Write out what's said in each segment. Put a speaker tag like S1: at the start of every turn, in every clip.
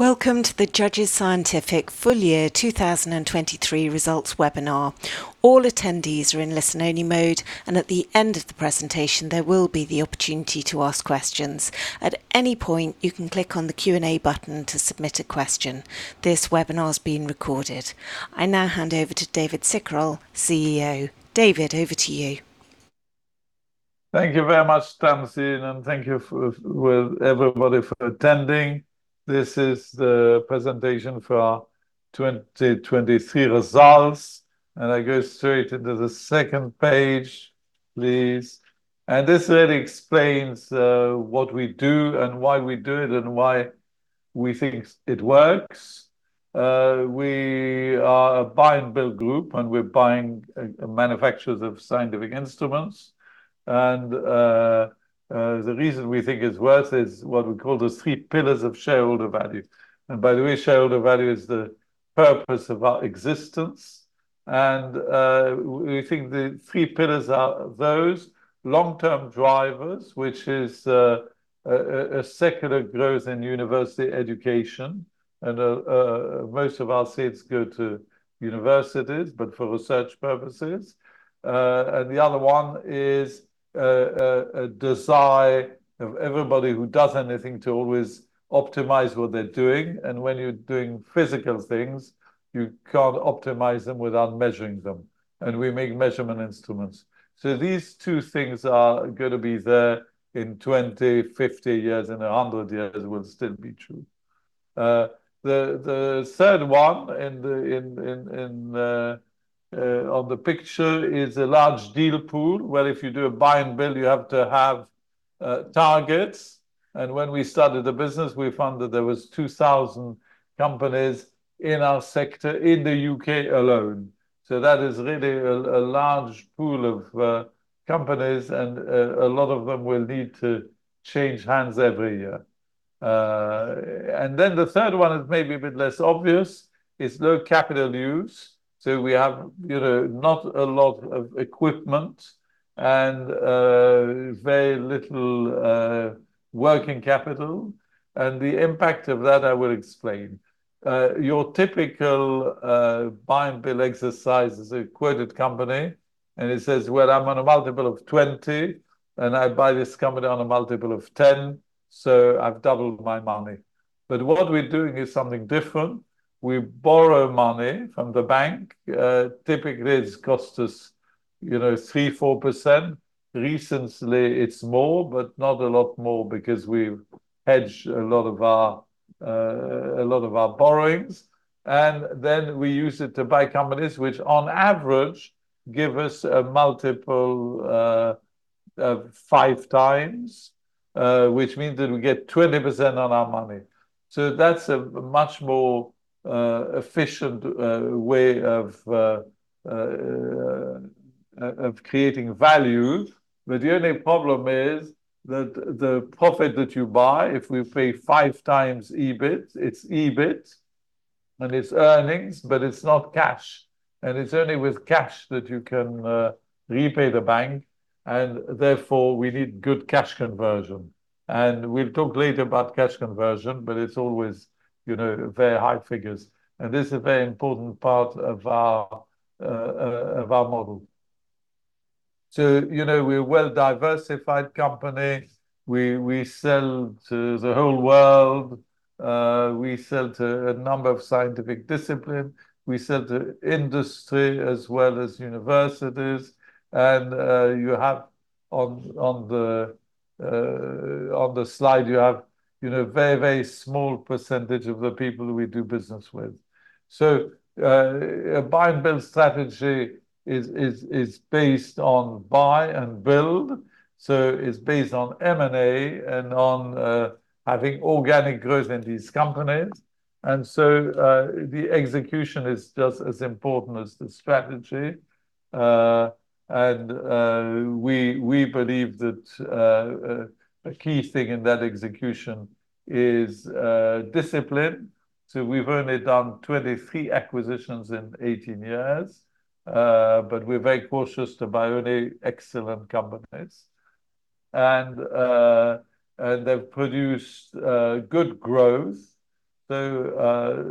S1: Welcome to the Judges Scientific Full Year 2023 Results webinar. All attendees are in listen-only mode, and at the end of the presentation there will be the opportunity to ask questions. At any point you can click on the Q&A button to submit a question. This webinar is being recorded. I now hand over to David Cicurel, CEO. David, over to you.
S2: Thank you very much, Tamsin, and thank you for everybody for attending. This is the presentation for our 2023 results, and I'll go straight into the second page, please. This really explains what we do and why we do it and why we think it works. We are a buy-and-build group, and we're buying manufacturers of scientific instruments. The reason we think it's works is what we call the three pillars of shareholder value. By the way, shareholder value is the purpose of our existence. We think the three pillars are those: long-term drivers, which is a secular growth in university education. Most of our sales go to universities, but for research purposes. The other one is a desire of everybody who does anything to always optimize what they're doing. When you're doing physical things, you can't optimize them without measuring them. We make measurement instruments. So these two things are going to be there in 20, 50 years, and 100 years will still be true. The third one on the picture is a large deal pool. Well, if you do a buy-and-build, you have to have targets. And when we started the business, we found that there were 2,000 companies in our sector in the UK alone. So that is really a large pool of companies, and a lot of them will need to change hands every year. Then the third one is maybe a bit less obvious: it's low capital use. So we have, you know, not a lot of equipment and very little working capital. And the impact of that, I will explain. Your typical buy-and-build exercise is a quoted company, and it says, "Well, I'm on a multiple of 20, and I buy this company on a multiple of 10, so I've doubled my money." But what we're doing is something different. We borrow money from the bank. Typically it costs us, you know, 3%-4%. Recently it's more, but not a lot more because we've hedged a lot of our, a lot of our borrowings. And then we use it to buy companies which, on average, give us a 5x multiple, which means that we get 20% on our money. So that's a much more efficient way of creating value. But the only problem is that the profit that you buy, if we pay 5x EBIT, it's EBIT and it's earnings, but it's not cash. And it's only with cash that you can repay the bank. Therefore we need good cash conversion. We'll talk later about cash conversion, but it's always, you know, very high figures. This is a very important part of our model. You know, we're a well-diversified company. We sell to the whole world. We sell to a number of scientific disciplines. We sell to industry as well as universities. You have on the slide, you know, a very, very small percentage of the people we do business with. A buy-and-build strategy is based on buy and build. It's based on M&A and on having organic growth in these companies. The execution is just as important as the strategy. We believe that a key thing in that execution is discipline. So we've only done 23 acquisitions in 18 years, but we're very cautious to buy only excellent companies. And they've produced good growth. So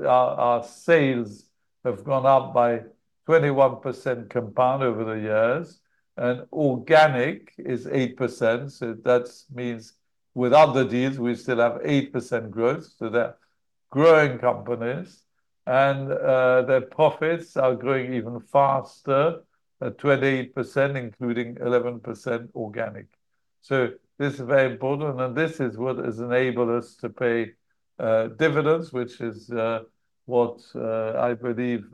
S2: our sales have gone up by 21% compound over the years, and organic is 8%. So that means with other deals we still have 8% growth. So they're growing companies, and their profits are growing even faster, 28%, including 11% organic. So this is very important, and this is what has enabled us to pay dividends, which is what I believe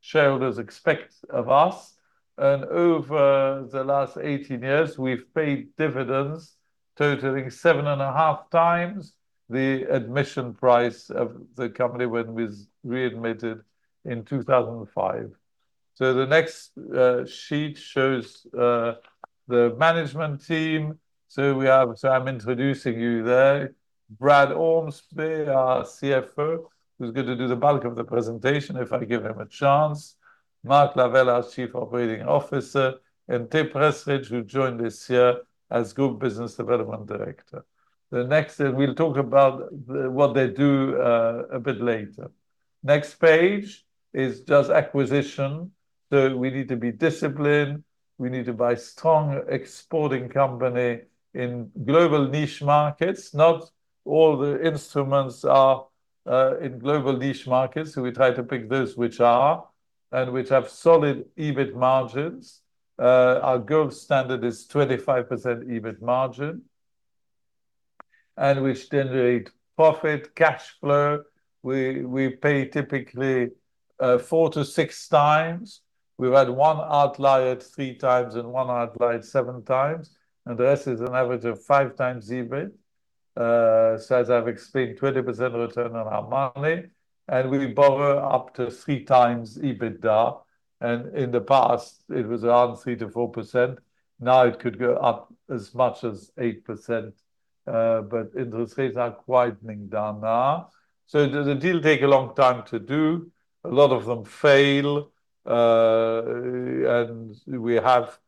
S2: shareholders expect of us. And over the last 18 years we've paid dividends totaling 7.5 times the admission price of the company when we readmitted in 2005. So the next sheet shows the management team. So, I'm introducing you there: Brad Ormsby, our CFO, who's going to do the bulk of the presentation if I give him a chance; Mark Lavelle, our Chief Operating Officer; and Tim Prestidge, who joined this year as Group Business Development Director. Next, we'll talk about what they do a bit later. Next page is just acquisition. So we need to be disciplined. We need to buy a strong exporting company in global niche markets. Not all the instruments are in global niche markets, so we try to pick those which are and which have solid EBIT margins. Our growth standard is 25% EBIT margin, and which generate profit, cash flow. We pay typically 4-6 times. We've had one outlier 3 times and one outlier 7 times, and the rest is an average of 5 times EBIT. As I've explained, 20% return on our money, and we borrow up to 3x EBITDA. In the past it was around 3%-4%. Now it could go up as much as 8%, but interest rates are quieting down now. The deals take a long time to do. A lot of them fail, and we have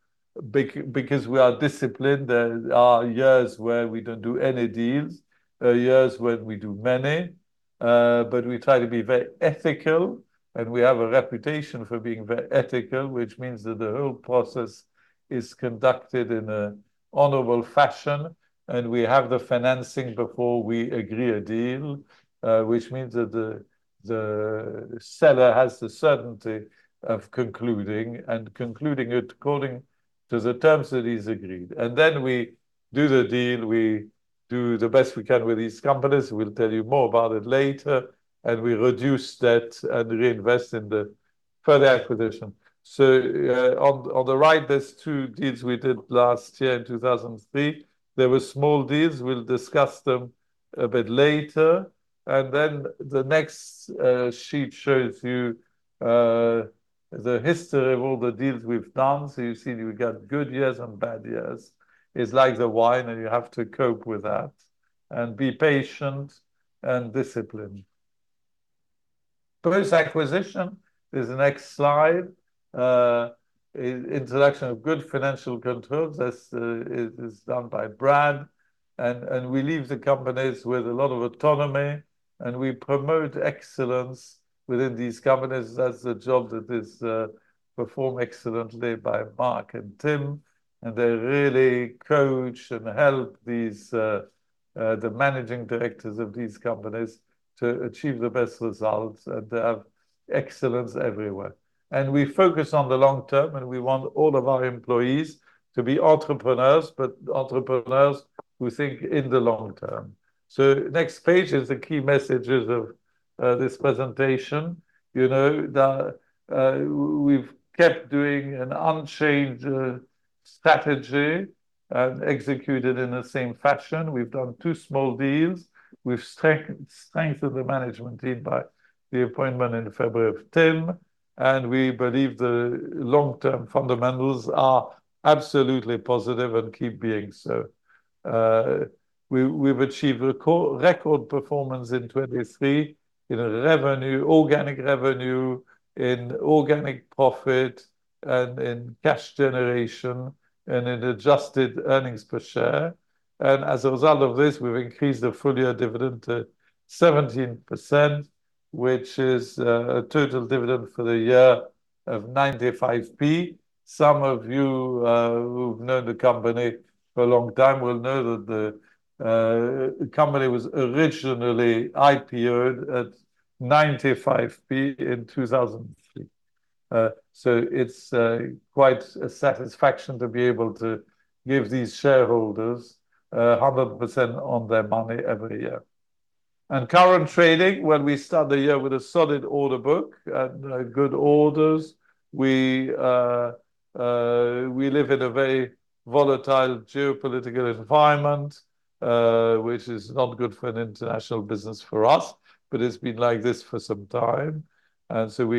S2: big because we are disciplined. There are years where we don't do any deals, years when we do many. But we try to be very ethical, and we have a reputation for being very ethical, which means that the whole process is conducted in an honorable fashion. We have the financing before we agree a deal, which means that the seller has the certainty of concluding it according to the terms that he's agreed. Then we do the deal. We do the best we can with these companies. We'll tell you more about it later, and we reduce debt and reinvest in the further acquisition. So, on the right there's two deals we did last year in 2023. There were small deals. We'll discuss them a bit later. And then the next sheet shows you the history of all the deals we've done. So you see we got good years and bad years. It's like the wine, and you have to cope with that and be patient and disciplined. Post-acquisition is the next slide, introduction of good financial controls. That's done by Brad. And we leave the companies with a lot of autonomy, and we promote excellence within these companies. That's the job that's performed excellently by Mark and Tim. They really coach and help these, the managing directors of these companies to achieve the best results, and they have excellence everywhere. We focus on the long term, and we want all of our employees to be entrepreneurs, but entrepreneurs who think in the long term. Next page is the key messages of this presentation. You know, the, we've kept doing an unchanged strategy and executed in the same fashion. We've done two small deals. We've strengthened the management team by the appointment in February of Tim, and we believe the long-term fundamentals are absolutely positive and keep being so. We, we've achieved record performance in 2023 in revenue, organic revenue, in organic profit, and in cash generation, and in adjusted earnings per share. As a result of this, we've increased the full-year dividend to 17%, which is a total dividend for the year of 0.95. Some of you who've known the company for a long time will know that the company was originally IPO'd at 95p in 2023. So it's quite a satisfaction to be able to give these shareholders 100% on their money every year. Current trading: when we start the year with a solid order book and good orders, we live in a very volatile geopolitical environment, which is not good for an international business for us, but it's been like this for some time. Two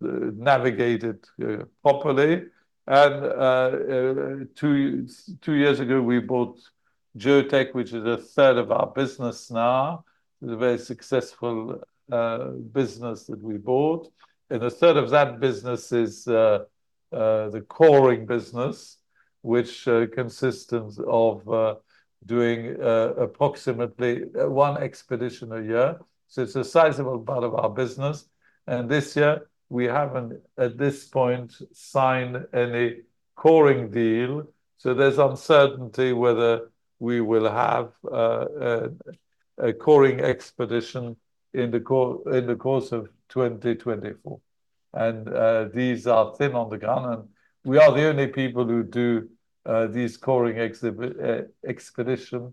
S2: years ago we bought Geotek, which is a third of our business now. It's a very successful business that we bought. A third of that business is the coring business, which consists of doing approximately 1 expedition a year. So it's a sizable part of our business. This year we haven't, at this point, signed any coring deal. So there's uncertainty whether we will have a coring expedition in the course of 2024. These are thin on the ground, and we are the only people who do these coring expeditions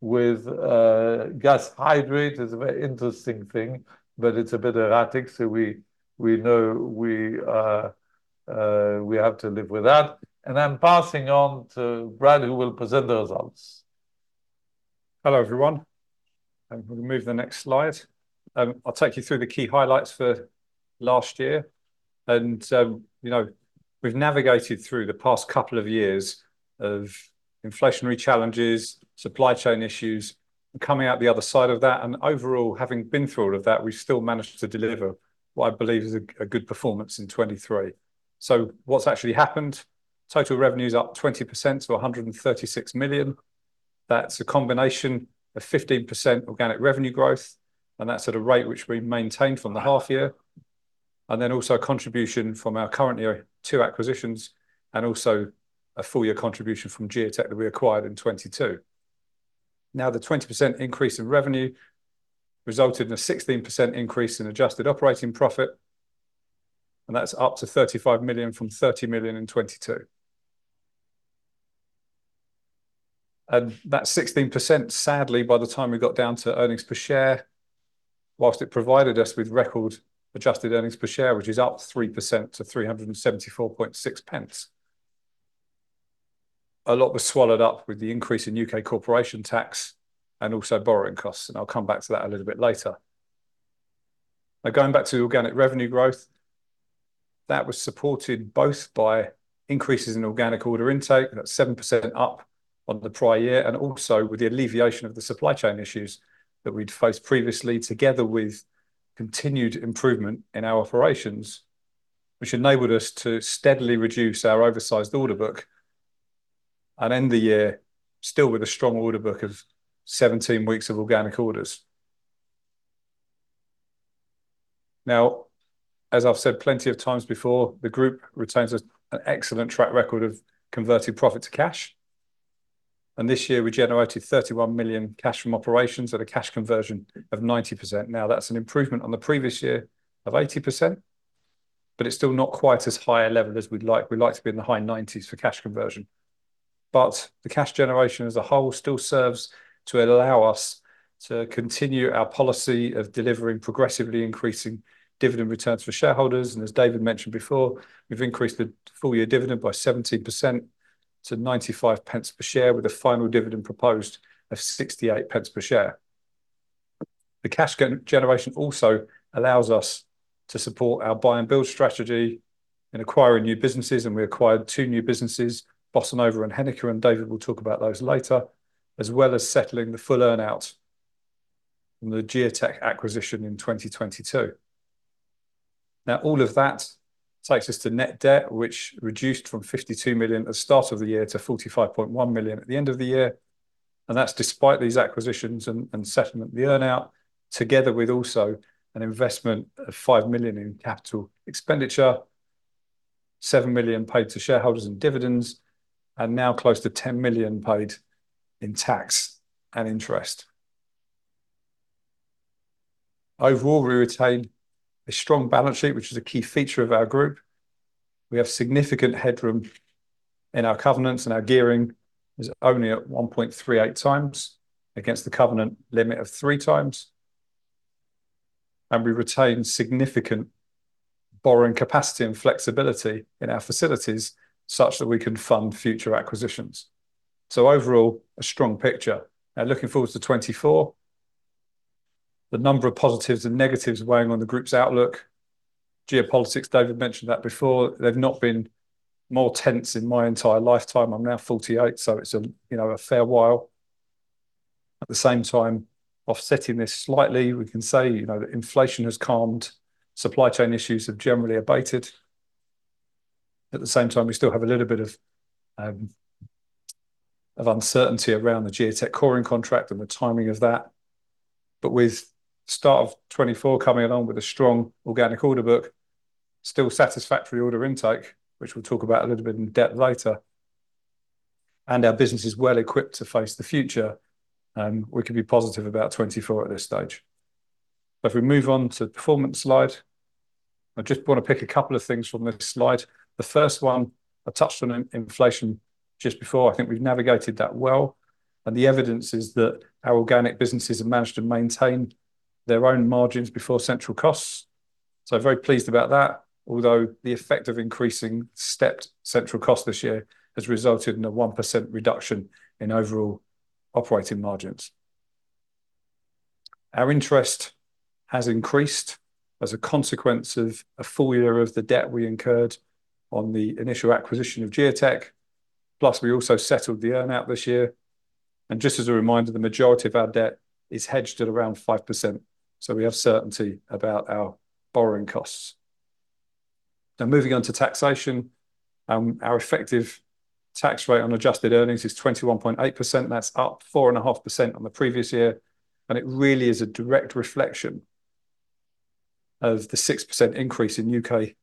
S2: with gas hydrate. Gas hydrate is a very interesting thing, but it's a bit erratic. So we know we have to live with that. I'm passing on to Brad, who will present the results.
S3: Hello everyone. We can move to the next slide. I'll take you through the key highlights for last year. And, you know, we've navigated through the past couple of years of inflationary challenges, supply chain issues, and coming out the other side of that. And overall, having been through all of that, we've still managed to deliver what I believe is a good performance in 2023. So what's actually happened? Total revenues up 20% to 136 million. That's a combination of 15% organic revenue growth, and that's at a rate which we maintained from the half year. And then also a contribution from our current year two acquisitions and also a full year contribution from Geotek that we acquired in 2022. Now, the 20% increase in revenue resulted in a 16% increase in adjusted operating profit, and that's up to 35 million from 30 million in 2022. That 16%, sadly, by the time we got down to earnings per share, whilst it provided us with record adjusted earnings per share, which is up 3% to 3.746, a lot was swallowed up with the increase in UK corporation tax and also borrowing costs. I'll come back to that a little bit later. Now, going back to organic revenue growth, that was supported both by increases in organic order intake. That's 7% up on the prior year, and also with the alleviation of the supply chain issues that we'd faced previously, together with continued improvement in our operations, which enabled us to steadily reduce our oversized order book and end the year still with a strong order book of 17 weeks of organic orders. Now, as I've said plenty of times before, the group retains an excellent track record of converting profit to cash. This year we generated 31 million cash from operations at a cash conversion of 90%. Now, that's an improvement on the previous year of 80%, but it's still not quite as high a level as we'd like. We'd like to be in the high 90s for cash conversion. The cash generation as a whole still serves to allow us to continue our policy of delivering progressively increasing dividend returns for shareholders. As David mentioned before, we've increased the full year dividend by 17% to 95 pence per share, with a final dividend proposed of 68 pence per share. The cash generation also allows us to support our buy and build strategy in acquiring new businesses. We acquired two new businesses, Bossa Nova and Henniker. David will talk about those later, as well as settling the full earnout from the Geotek acquisition in 2022. Now, all of that takes us to net debt, which reduced from 52 million at the start of the year to 45.1 million at the end of the year. And that's despite these acquisitions and settlement. The earnout, together with also an investment of 5 million in capital expenditure, 7 million paid to shareholders in dividends, and now close to 10 million paid in tax and interest. Overall, we retain a strong balance sheet, which is a key feature of our group. We have significant headroom in our covenants, and our gearing is only at 1.38 times against the covenant limit of three times. And we retain significant borrowing capacity and flexibility in our facilities such that we can fund future acquisitions. So overall, a strong picture. Now, looking forward to 2024, the number of positives and negatives weighing on the group's outlook. Geopolitics, David mentioned that before. They've not been more tense in my entire lifetime. I'm now 48, so it's a, you know, a fair while. At the same time, offsetting this slightly, we can say, you know, that inflation has calmed. Supply chain issues have generally abated. At the same time, we still have a little bit of Geotek coring contract and the timing of that. But with the start of 2024 coming along with a strong organic order book, still satisfactory order intake, which we'll talk about a little bit in depth later, and our business is well equipped to face the future, we can be positive about 2024 at this stage. So if we move on to the performance slide, I just want to pick a couple of things from this slide. The first one, I touched on inflation just before. I think we've navigated that well. The evidence is that our organic businesses have managed to maintain their own margins before central costs. So I'm very pleased about that, although the effect of increasing stepped central costs this year has resulted in a 1% reduction in overall operating margins. Our interest has increased as a consequence of a full year of the debt we incurred on the initial acquisition of Geotek. Plus, we also settled the earnout this year. And just as a reminder, the majority of our debt is hedged at around 5%, so we have certainty about our borrowing costs. Now, moving on to taxation, our effective tax rate on adjusted earnings is 21.8%. That's up 4.5% on the previous year. And it really is a direct reflection of the 6% increase in UK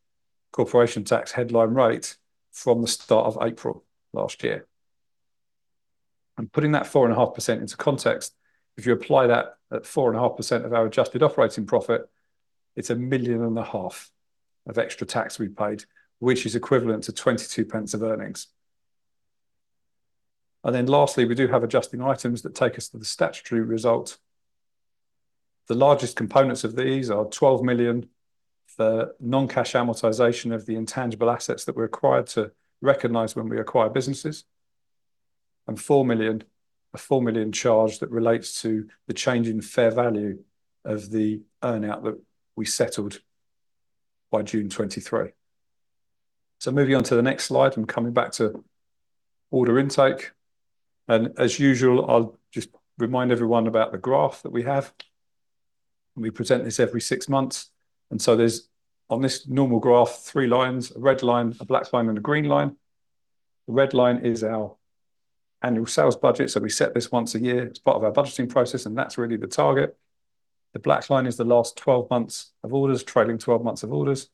S3: corporation tax headline rate from the start of April last year. Putting that 4.5% into context, if you apply that at 4.5% of our adjusted operating profit, it's 1.5 million of extra tax we paid, which is equivalent to 0.22 of earnings. Then lastly, we do have adjusting items that take us to the statutory result. The largest components of these are 12 million for non-cash amortization of the intangible assets that we acquired to recognize when we acquire businesses, and 4 million, a 4 million charge that relates to the change in fair value of the earnout that we settled by June 2023. Moving on to the next slide, I'm coming back to order intake. As usual, I'll just remind everyone about the graph that we have. We present this every six months. So there's, on this normal graph, three lines: a red line, a black line, and a green line. The red line is our annual sales budget. So we set this once a year as part of our budgeting process, and that's really the target. The black line is the last 12 months of orders, trailing 12 months of orders.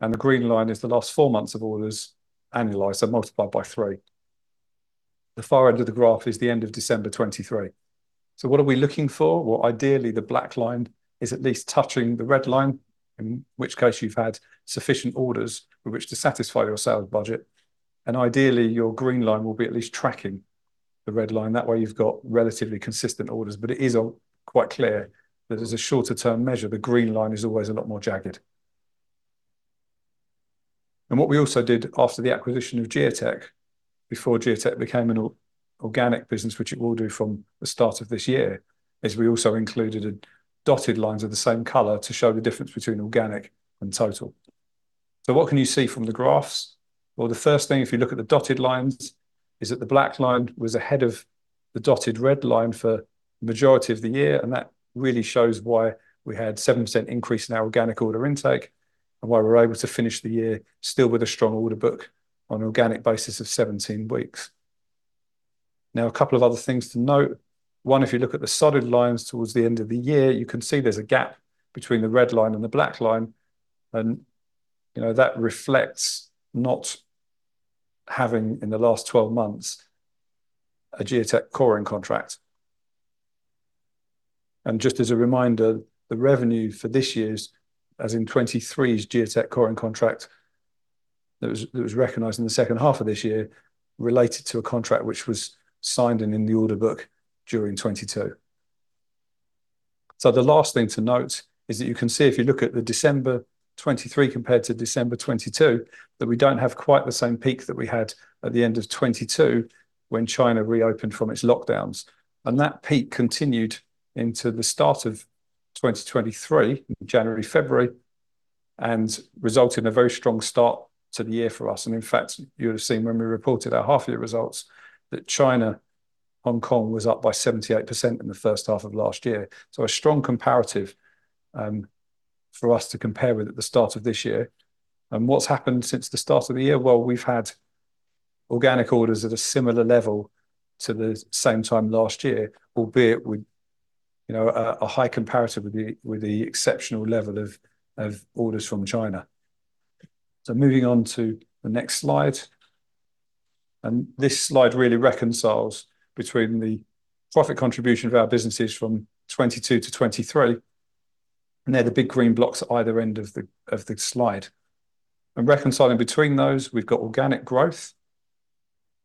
S3: And the green line is the last four months of orders annualized, so multiplied by three. The far end of the graph is the end of December 2023. So what are we looking for? Well, ideally, the black line is at least touching the red line, in which case you've had sufficient orders with which to satisfy your sales budget. And ideally, your green line will be at least tracking the red line. That way, you've got relatively consistent orders. But it is quite clear that as a shorter-term measure, the green line is always a lot more jagged. And what we also did after the acquisition of Geotek, before Geotek became an organic business, which it will do from the start of this year, is we also included dotted lines of the same color to show the difference between organic and total. So what can you see from the graphs? Well, the first thing, if you look at the dotted lines, is that the black line was ahead of the dotted red line for the majority of the year. And that really shows why we had a 7% increase in our organic order intake and why we were able to finish the year still with a strong order book on an organic basis of 17 weeks. Now, a couple of other things to note. One, if you look at the solid lines towards the end of the year, you can see there's a gap between the red line and the black line. And, you know, that reflects not having, in the last Geotek coring contract. and just as a reminder, the revenue for this year's, Geotek coring contract that was recognized in the second half of this year, related to a contract which was signed in the order book during 2022. So the last thing to note is that you can see, if you look at December 2023 compared to December 2022, that we don't have quite the same peak that we had at the end of 2022 when China reopened from its lockdowns. And that peak continued into the start of 2023, in January, February, and resulted in a very strong start to the year for us. In fact, you would have seen when we reported our half-year results that China, Hong Kong, was up by 78% in the first half of last year. A strong comparative, for us to compare with at the start of this year. What's happened since the start of the year? Well, we've had organic orders at a similar level to the same time last year, albeit with, you know, a high comparative with the exceptional level of orders from China. Moving on to the next slide. This slide really reconciles between the profit contribution of our businesses from 2022 to 2023. They're the big green blocks at either end of the slide. Reconciling between those, we've got organic growth.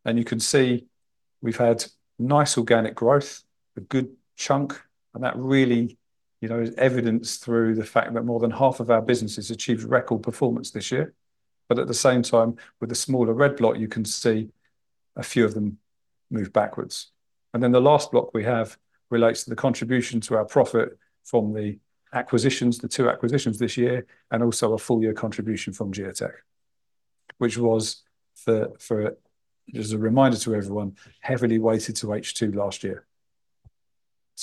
S3: You can see we've had nice organic growth, a good chunk. That really, you know, is evidenced through the fact that more than half of our businesses achieved record performance this year. But at the same time, with the smaller red block, you can see a few of them move backwards. Then the last block we have relates to the contribution to our profit from the acquisitions, the two acquisitions this year, and also a full year contribution from Geotek, which was, just as a reminder to everyone, heavily weighted to H2 last year.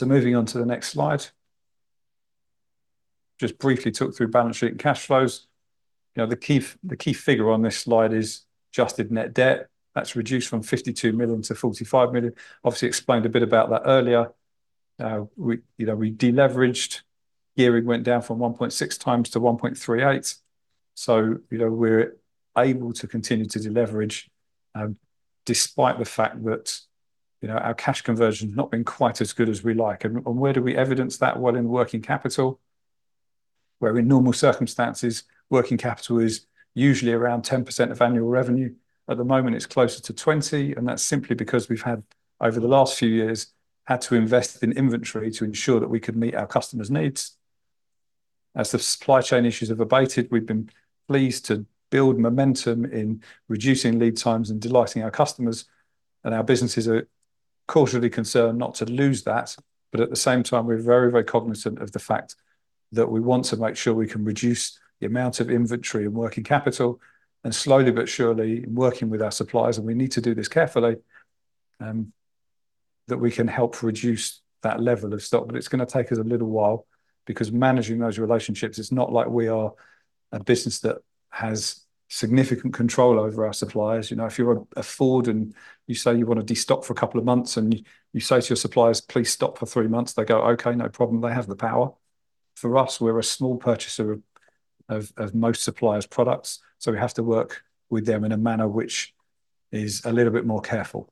S3: Moving on to the next slide. Just briefly took through balance sheet and cash flows. You know, the key figure on this slide is adjusted net debt. That's reduced from 52 million to 45 million. Obviously, explained a bit about that earlier. Now, we, you know, we deleveraged. Gearing went down from 1.6x to 1.38x. So, you know, we're able to continue to deleverage, despite the fact that, you know, our cash conversion has not been quite as good as we like. And where do we evidence that? Well, in working capital. Where in normal circumstances, working capital is usually around 10% of annual revenue. At the moment, it's closer to 20%. And that's simply because we've had, over the last few years, had to invest in inventory to ensure that we could meet our customers' needs. As the supply chain issues have abated, we've been pleased to build momentum in reducing lead times and delighting our customers. And our businesses are cautiously concerned not to lose that. But at the same time, we're very, very cognizant of the fact that we want to make sure we can reduce the amount of inventory and working capital. And slowly but surely, in working with our suppliers, and we need to do this carefully, that we can help reduce that level of stock. But it's going to take us a little while because managing those relationships, it's not like we are a business that has significant control over our suppliers. You know, if you're a Ford and you say you want to destock for a couple of months and you say to your suppliers, "Please stop for three months," they go, "Okay, no problem." They have the power. For us, we're a small purchaser of most suppliers' products, so we have to work with them in a manner which is a little bit more careful.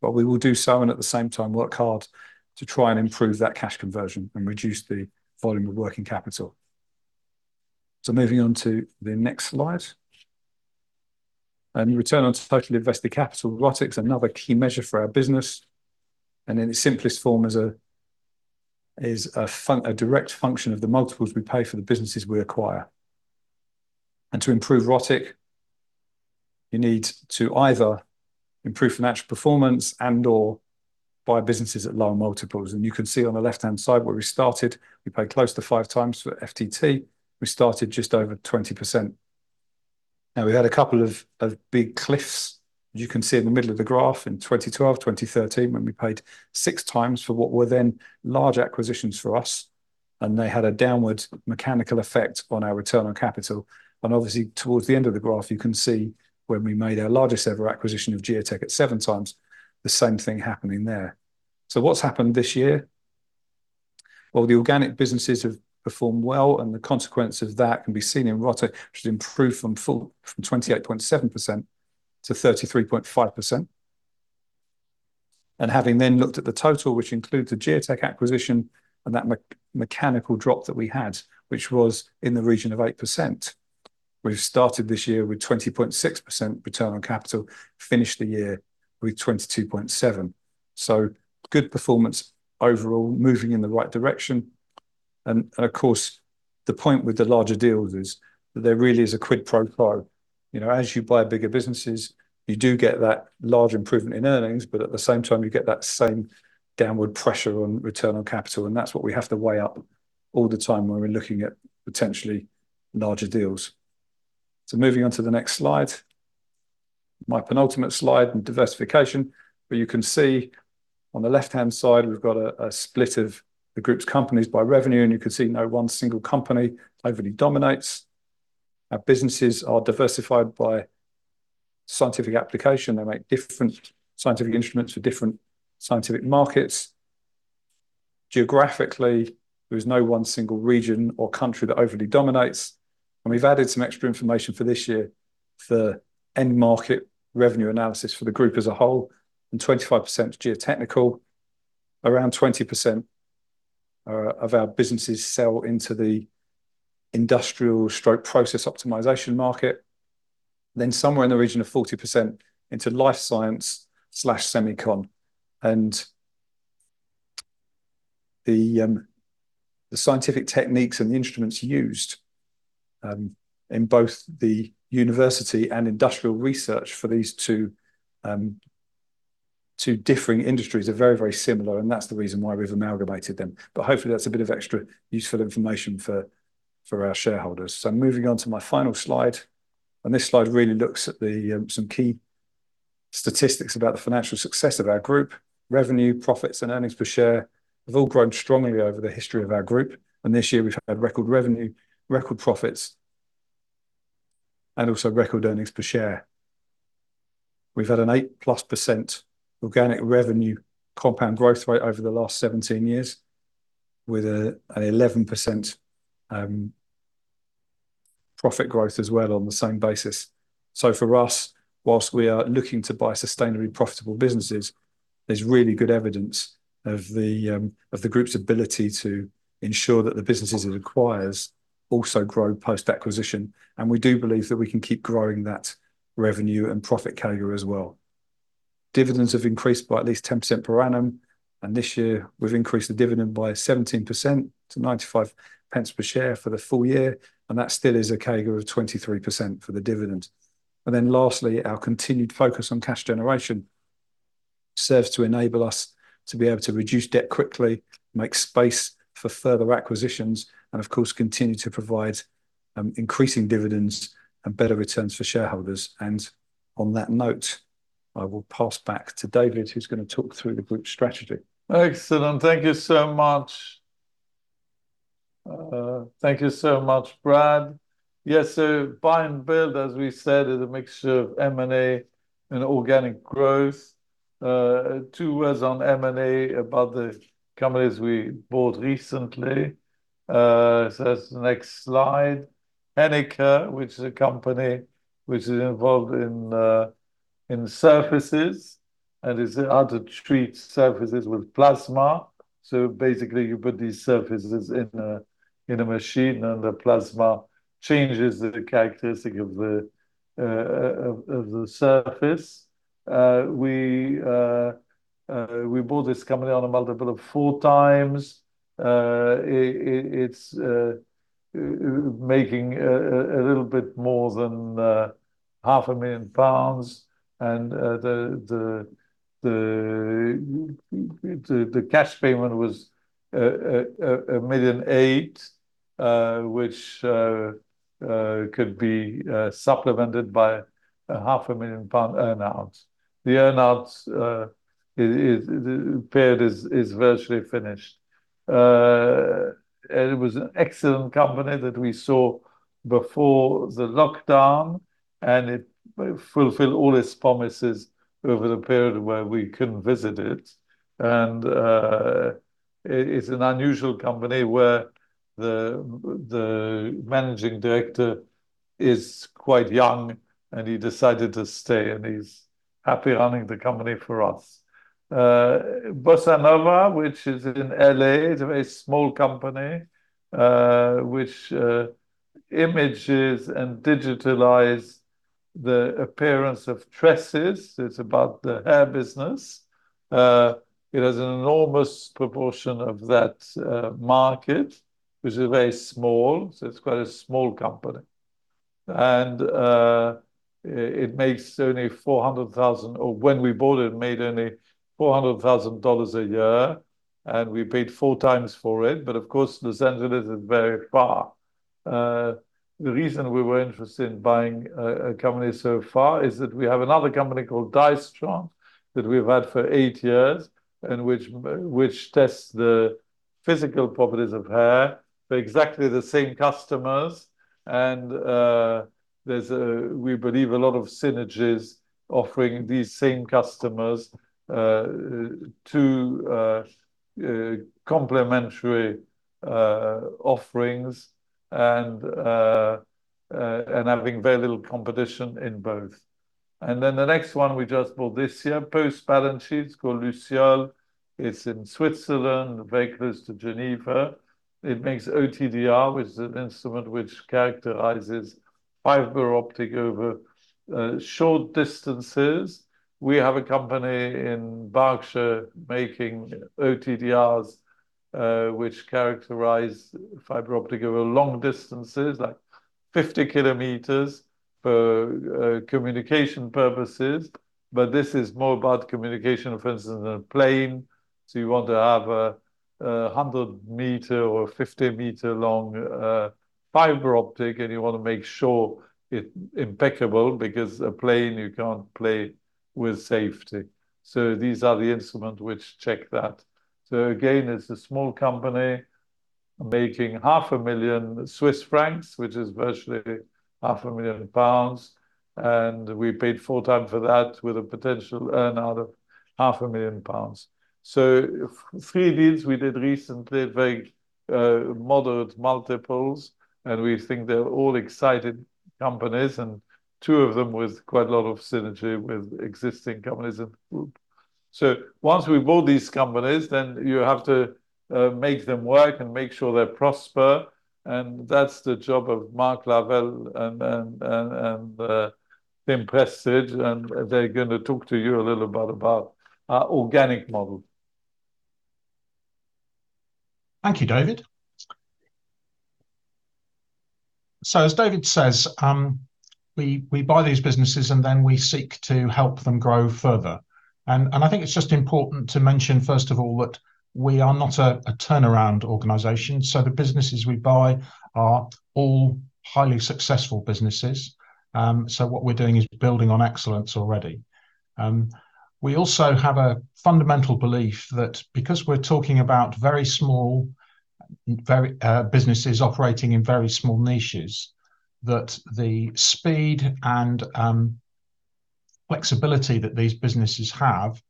S3: But we will do so and at the same time work hard to try and improve that cash conversion and reduce the volume of working capital. So moving on to the next slide. We return on total invested capital. ROTIC is another key measure for our business. In its simplest form, is a direct function of the multiples we pay for the businesses we acquire. To improve ROTIC, you need to either improve financial performance and/or buy businesses at lower multiples. You can see on the left-hand side where we started, we paid close to 5x for FTT. We started just over 20%. Now, we've had a couple of big cliffs, as you can see in the middle of the graph, in 2012, 2013, when we paid 6x for what were then large acquisitions for us. They had a downward mechanical effect on our return on capital. Obviously, towards the end of the graph, you can see when we made our largest ever acquisition of Geotek at 7x, the same thing happening there. So what's happened this year? Well, the organic businesses have performed well, and the consequence of that can be seen in ROTIC, which has improved from 28.7% to 33.5%. And having then looked at the total, which includes the Geotek acquisition and that mechanical drop that we had, which was in the region of 8%, we've started this year with 20.6% return on capital, finished the year with 22.7%. So good performance overall, moving in the right direction. And of course, the point with the larger deals is that there really is a quid pro quo. You know, as you buy bigger businesses, you do get that large improvement in earnings, but at the same time, you get that same downward pressure on return on capital. And that's what we have to weigh up all the time when we're looking at potentially larger deals. So moving on to the next slide. My penultimate slide in diversification. But you can see on the left-hand side, we've got a split of the group's companies by revenue. And you can see, you know, one single company overly dominates. Our businesses are diversified by scientific application. They make different scientific instruments for different scientific markets. Geographically, there is no one single region or country that overly dominates. And we've added some extra information for this year for end market revenue analysis for the group as a whole. And 25% geotechnical, around 20% of our businesses sell into the industrial process optimization market. Then somewhere in the region of 40% into life science/semicon. And the scientific techniques and the instruments used in both the university and industrial research for these two differing industries are very, very similar. And that's the reason why we've amalgamated them. But hopefully, that's a bit of extra useful information for our shareholders. So moving on to my final slide. And this slide really looks at some key statistics about the financial success of our group. Revenue, profits, and earnings per share have all grown strongly over the history of our group. And this year, we've had record revenue, record profits, and also record earnings per share. We've had an 8%+ organic revenue compound growth rate over the last 17 years, with an 11% profit growth as well on the same basis. So for us, whilst we are looking to buy sustainably profitable businesses, there's really good evidence of the group's ability to ensure that the businesses it acquires also grow post-acquisition. And we do believe that we can keep growing that revenue and profit carrier as well. Dividends have increased by at least 10% per annum. This year, we've increased the dividend by 17% to 0.95 per share for the full year. And that still is a cover of 23% for the dividend. And then lastly, our continued focus on cash generation serves to enable us to be able to reduce debt quickly, make space for further acquisitions, and of course, continue to provide increasing dividends and better returns for shareholders. And on that note, I will pass back to David, who's going to talk through the group's strategy. Excellent. Thank you so much. Thank you so much, Brad. Yes. So buy and build, as we said, is a mixture of M&A and organic growth. Two words on M&A about the companies we bought recently. So that's the next slide. Henniker, which is a company which is involved in surfaces and is how to treat surfaces with plasma. So basically, you put these surfaces in a machine and the plasma changes the characteristic of the surface. We bought this company on a multiple of 4x. It's making a little bit more than 500,000 pounds. And the cash payment was 1.8 million, which could be supplemented by 500,000 pound earnout. The earnout period is virtually finished. It was an excellent company that we saw before the lockdown, and it fulfilled all its promises over the period where we couldn't visit it. And it's an unusual company where the managing director is quite young, and he decided to stay, and he's happy running the company for us. Bossa Nova Vision, which is in L.A., is a very small company which images and digitalizes the appearance of tresses. It's about the hair business. It has an enormous proportion of that market, which is very small. So it's quite a small company. And it makes only $400,000, or when we bought it, made only $400,000 a year, and we paid four times for it. But of course, Los Angeles is very far. The reason we were interested in buying a company so far is that we have another company called Dia-Stron that we've had for eight years and which tests the physical properties of hair for exactly the same customers. And we believe a lot of synergies offering these same customers two complementary offerings and having very little competition in both. And then the next one we just bought this year, post balance sheet, called Luciol. It's in Switzerland, Vaud, close to Geneva. It makes OTDR, which is an instrument which characterizes fiber optic over short distances. We have a company in Berkshire making OTDRs, which characterize fiber optic over long distances, like 50 km for communication purposes. But this is more about communication, for instance, in a plane. So you want to have a 100 m or 50 m long fiber optic, and you want to make sure it's impeccable because a plane, you can't play with safety. So these are the instruments which check that. So again, it's a small company making 500,000 Swiss francs, which is virtually 500,000 pounds. And we paid 4x for that with a potential earnout of 500,000 pounds. So three deals we did recently, very moderate multiples. And we think they're all excited companies, and two of them with quite a lot of synergy with existing companies in the group. So once we bought these companies, then you have to make them work and make sure they're prosper. And that's the job of Mark Lavelle and Tim Prestidge. And they're going to talk to you a little bit about our organic model.
S4: Thank you, David. So as David says, we buy these businesses, and then we seek to help them grow further. And I think it's just important to mention, first of all, that we are not a turnaround organization. So the businesses we buy are all highly successful businesses. So what we're doing is building on excellence already. We also have a fundamental belief that because we're talking about very small businesses operating in very small niches, that the speed and flexibility that these businesses have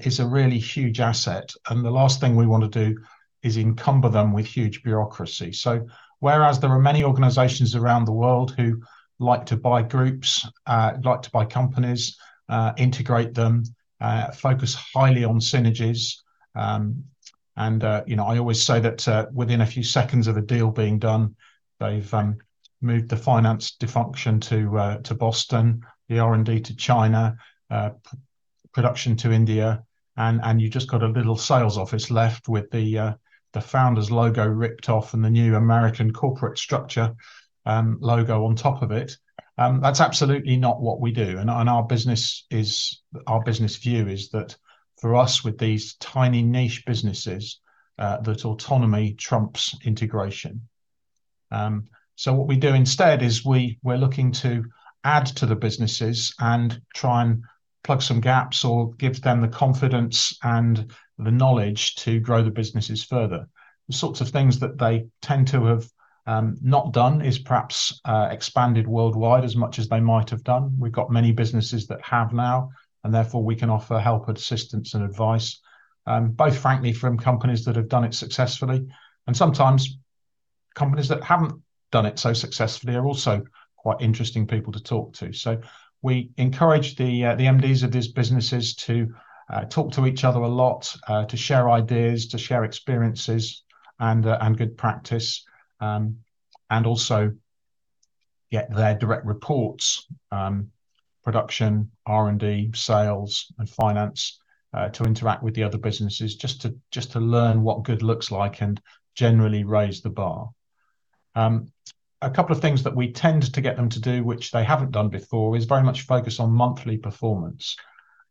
S4: is a really huge asset. And the last thing we want to do is encumber them with huge bureaucracy. So whereas there are many organizations around the world who like to buy groups, like to buy companies, integrate them, focus highly on synergies. And I always say that within a few seconds of a deal being done, they've moved the finance function to Boston, the R&D to China, production to India. And you just got a little sales office left with the founder's logo ripped off and the new American corporate structure logo on top of it. That's absolutely not what we do. And our business view is that for us, with these tiny niche businesses, that autonomy trumps integration. So what we do instead is we're looking to add to the businesses and try and plug some gaps or give them the confidence and the knowledge to grow the businesses further. The sorts of things that they tend to have not done is perhaps expanded worldwide as much as they might have done. We've got many businesses that have now, and therefore we can offer help, assistance, and advice, both frankly, from companies that have done it successfully and sometimes companies that haven't done it so successfully are also quite interesting people to talk to. So we encourage the MDs of these businesses to talk to each other a lot, to share ideas, to share experiences and good practice, and also get their direct reports, production, R&D, sales, and finance to interact with the other businesses just to learn what good looks like and generally raise the bar. A couple of things that we tend to get them to do, which they haven't done before, is very much focus on monthly performance.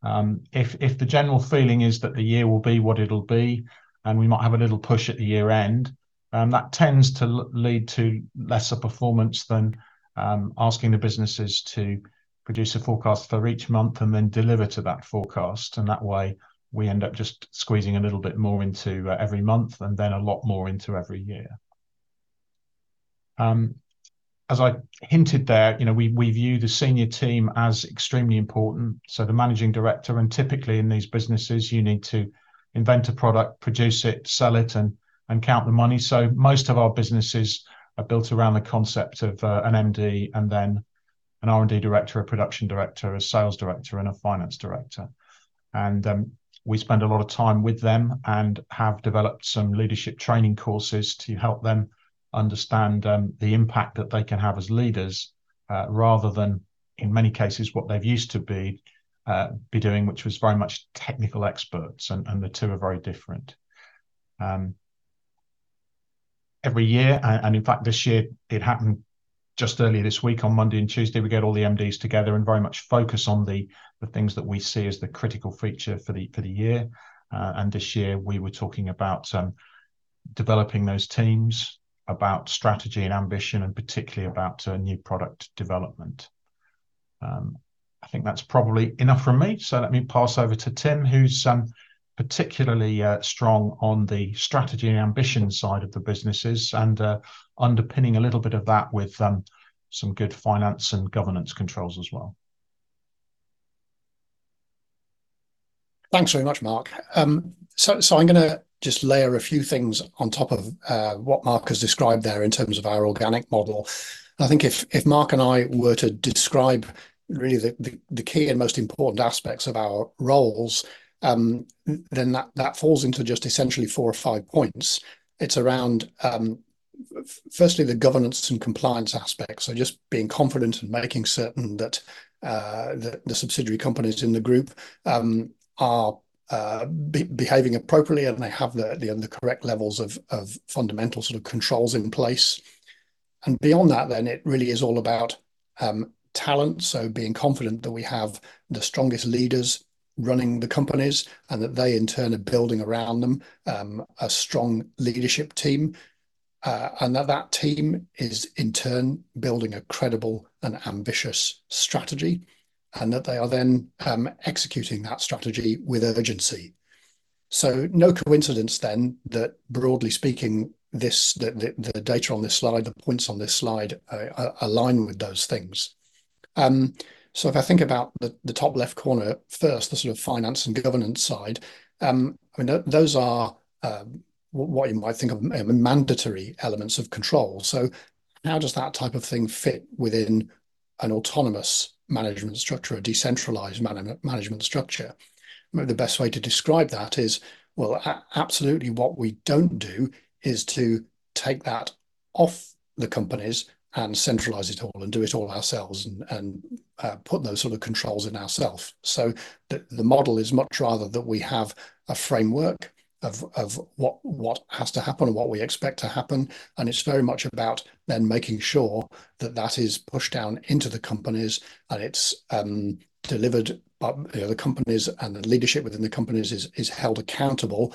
S4: If the general feeling is that the year will be what it'll be and we might have a little push at the year end, that tends to lead to lesser performance than asking the businesses to produce a forecast for each month and then deliver to that forecast. That way, we end up just squeezing a little bit more into every month and then a lot more into every year. As I hinted there, we view the senior team as extremely important. The managing director, and typically in these businesses, you need to invent a product, produce it, sell it, and count the money. Most of our businesses are built around the concept of an MD and then an R&D director, a production director, a sales director, and a finance director. We spend a lot of time with them and have developed some leadership training courses to help them understand the impact that they can have as leaders rather than, in many cases, what they've used to be doing, which was very much technical experts. The two are very different every year. In fact, this year, it happened just earlier this week on Monday and Tuesday. We got all the MDs together and very much focused on the things that we see as the critical feature for the year. This year, we were talking about developing those teams, about strategy and ambition, and particularly about new product development. I think that's probably enough from me. So let me pass over to Tim, who's particularly strong on the strategy and ambition side of the businesses and underpinning a little bit of that with some good finance and governance controls as well.
S5: Thanks very much, Mark. I'm going to just layer a few things on top of what Mark has described there in terms of our organic model. I think if Mark and I were to describe really the key and most important aspects of our roles, then that falls into just essentially four or five points. It's around, firstly, the governance and compliance aspects. Just being confident and making certain that the subsidiary companies in the group are behaving appropriately and they have the correct levels of fundamental sort of controls in place. Beyond that, then it really is all about talent. So being confident that we have the strongest leaders running the companies and that they, in turn, are building around them a strong leadership team and that that team is, in turn, being a credible and ambitious strategy and that they are then executing that strategy with urgency. So no coincidence, then, that broadly speaking, the data on this slide, the points on this slide align with those things. So if I think about the top left corner first, the sort of finance and governance side, I mean, those are what you might think of as mandatory elements of control. So how does that type of thing fit within an autonomous management structure, a decentralized management structure? The best way to describe that is, well, absolutely, what we don't do is to take that off the companies and centralize it all and do it all ourselves and put those sort of controls in ourselves. So the model is much rather that we have a framework of what has to happen and what we expect to happen. And it's very much about then making sure that that is pushed down into the companies and it's delivered, but the companies and the leadership within the companies is held accountable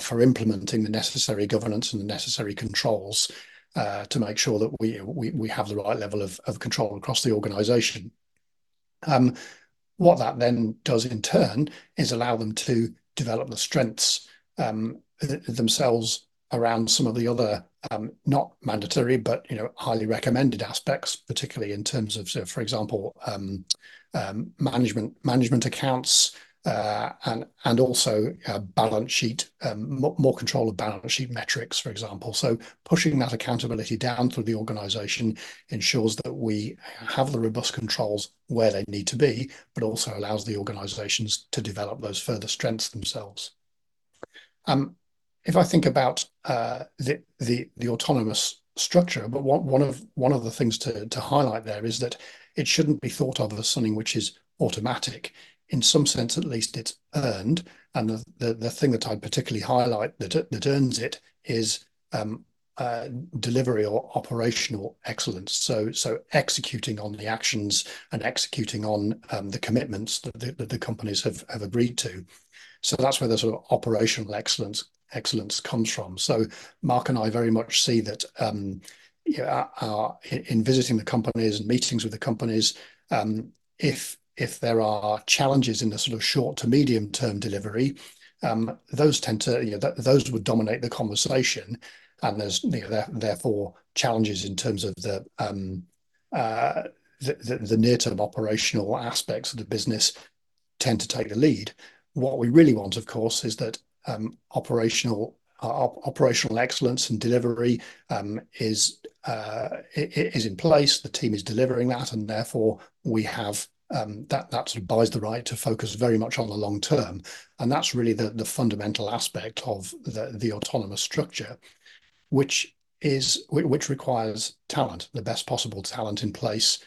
S5: for implementing the necessary governance and the necessary controls to make sure that we have the right level of control across the organization. What that then does, in turn, is allow them to develop the strengths themselves around some of the other not mandatory, but highly recommended aspects, particularly in terms of, for example, management accounts and also balance sheet, more control of balance sheet metrics, for example. So pushing that accountability down through the organization ensures that we have the robust controls where they need to be, but also allows the organizations to develop those further strengths themselves. If I think about the autonomous structure, but one of the things to highlight there is that it shouldn't be thought of as something which is automatic. In some sense, at least, it's earned. And the thing that I'd particularly highlight that earns it is delivery or operational excellence. So executing on the actions and executing on the commitments that the companies have agreed to. So that's where the sort of operational excellence comes from. So Mark and I very much see that in visiting the companies and meetings with the companies, if there are challenges in the sort of short to medium-term delivery, those would dominate the conversation. And therefore, challenges in terms of the near-term operational aspects of the business tend to take the lead. What we really want, of course, is that operational excellence and delivery is in place. The team is delivering that. And therefore, we have that sort of buys the right to focus very much on the long term. And that's really the fundamental aspect of the autonomous structure, which requires talent, the best possible talent in place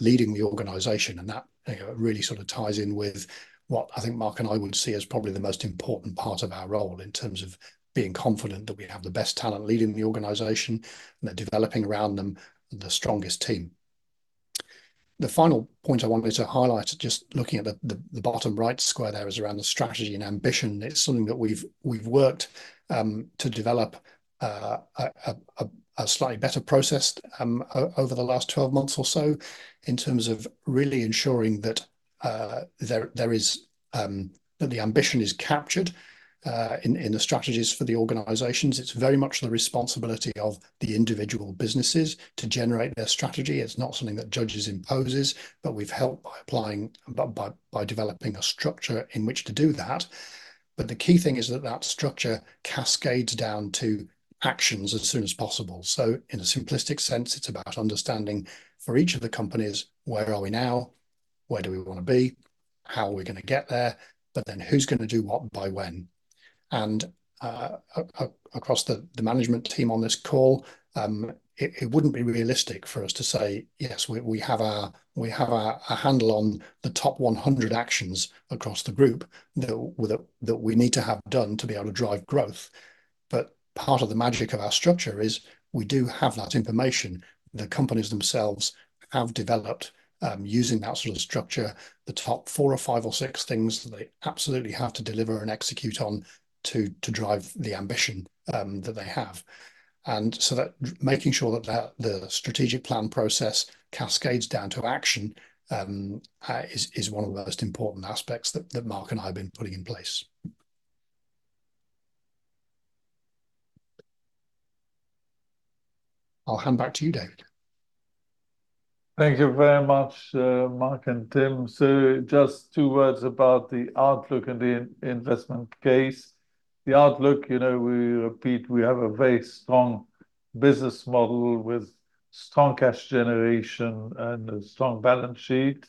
S5: leading the organization. And that really sort of ties in with what I think Mark and I would see as probably the most important part of our role in terms of being confident that we have the best talent leading the organization and developing around them the strongest team. The final point I wanted to highlight, just looking at the bottom right square there, is around the strategy and ambition. It's something that we've worked to develop a slightly better process over the last 12 months or so in terms of really ensuring that the ambition is captured in the strategies for the organizations. It's very much the responsibility of the individual businesses to generate their strategy. It's not something that Judges impose, but we've helped by developing a structure in which to do that. But the key thing is that that structure cascades down to actions as soon as possible. So in a simplistic sense, it's about understanding for each of the companies, where are we now? Where do we want to be? How are we going to get there? But then who's going to do what by when? And across the management team on this call, it wouldn't be realistic for us to say, "Yes, we have a handle on the top 100 actions across the group that we need to have done to be able to drive growth." But part of the magic of our structure is we do have that information. The companies themselves have developed, using that sort of structure, the top four or five or six things that they absolutely have to deliver and execute on to drive the ambition that they have. And so making sure that the strategic plan process cascades down to action is one of the most important aspects that Mark and I have been putting in place. I'll hand back to you, David.
S2: Thank you very much, Mark and Tim. So just two words about the outlook and the investment case. The outlook, we repeat, we have a very strong business model with strong cash generation and a strong balance sheet.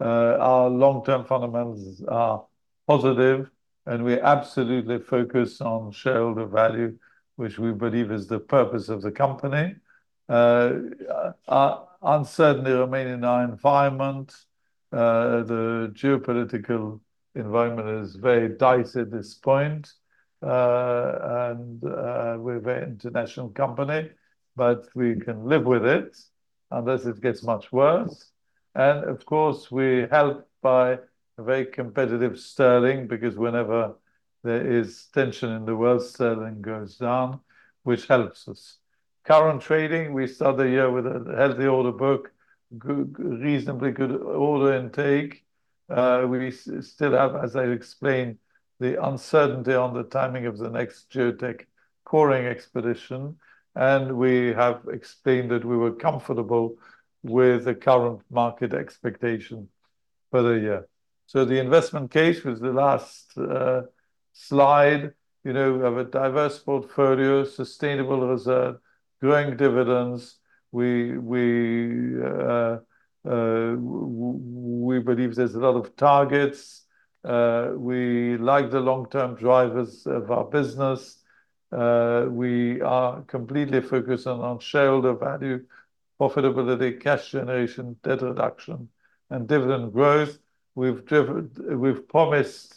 S2: Our long-term fundamentals are positive, and we absolutely focus on shareholder value, which we believe is the purpose of the company. Uncertainty remains in our environment. The geopolitical environment is very dicey at this point, and we're a very international company, but we can live with it unless it gets much worse. And of course, we're helped by a very competitive sterling because whenever there is tension in the world, sterling goes down, which helps us. Current trading, we start the year with a healthy order book, reasonably good order intake. We still have, as I explained, the uncertainty on the timing of the Geotek coring expedition. We have explained that we were comfortable with the current market expectation for the year. So the investment case, which is the last slide, we have a diverse portfolio, sustainable reserve, growing dividends. We believe there's a lot of targets. We like the long-term drivers of our business. We are completely focused on shareholder value, profitability, cash generation, debt reduction, and dividend growth. We've promised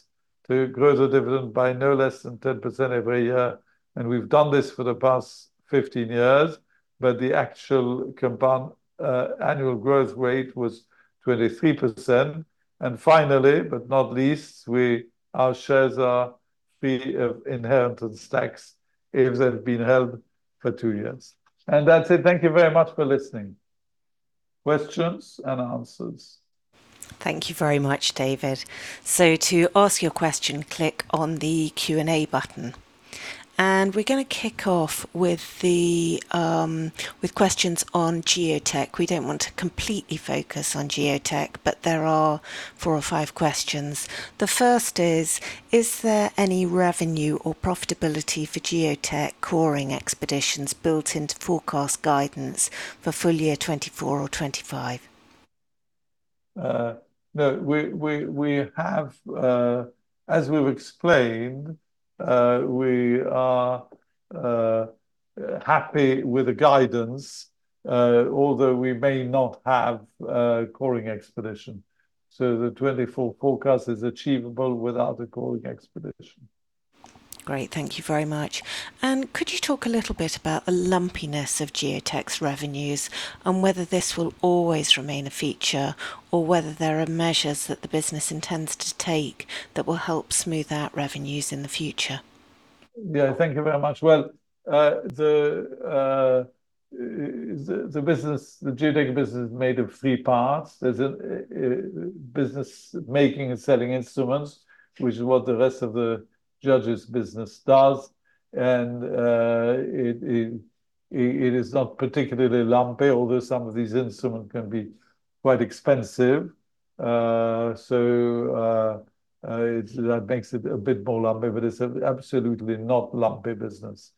S2: to grow the dividend by no less than 10% every year. And we've done this for the past 15 years. But the actual annual growth rate was 23%. And finally, but not least, our shares are free of inheritance tax if they've been held for 2 years. And that's it. Thank you very much for listening. Questions and answers.
S1: Thank you very much, David. So to ask your question, click on the Q&A button. And we're going to kick off with questions on Geotek. We don't want to completely focus on Geotek, but there are four or five questions. The first is, is there any revenue Geotek coring expeditions built into forecast guidance for full year 2024 or 2025?
S2: No, as we've explained, we are happy with the guidance, although we may not have a coring expedition. So the 2024 forecast is achievable without a coring expedition.
S1: Great. Thank you very much. Could you talk a little bit about the lumpiness of Geotek's revenues and whether this will always remain a feature or whether there are measures that the business intends to take that will help smooth out revenues in the future?
S2: Yeah, thank you very much. Well, the Geotek business is made of three parts. There's a business making and selling instruments, which is what the rest of the Judges' business does. And it is not particularly lumpy, although some of these instruments can be quite expensive. So that makes it a bit more lumpy, but it's an absolutely not lumpy business.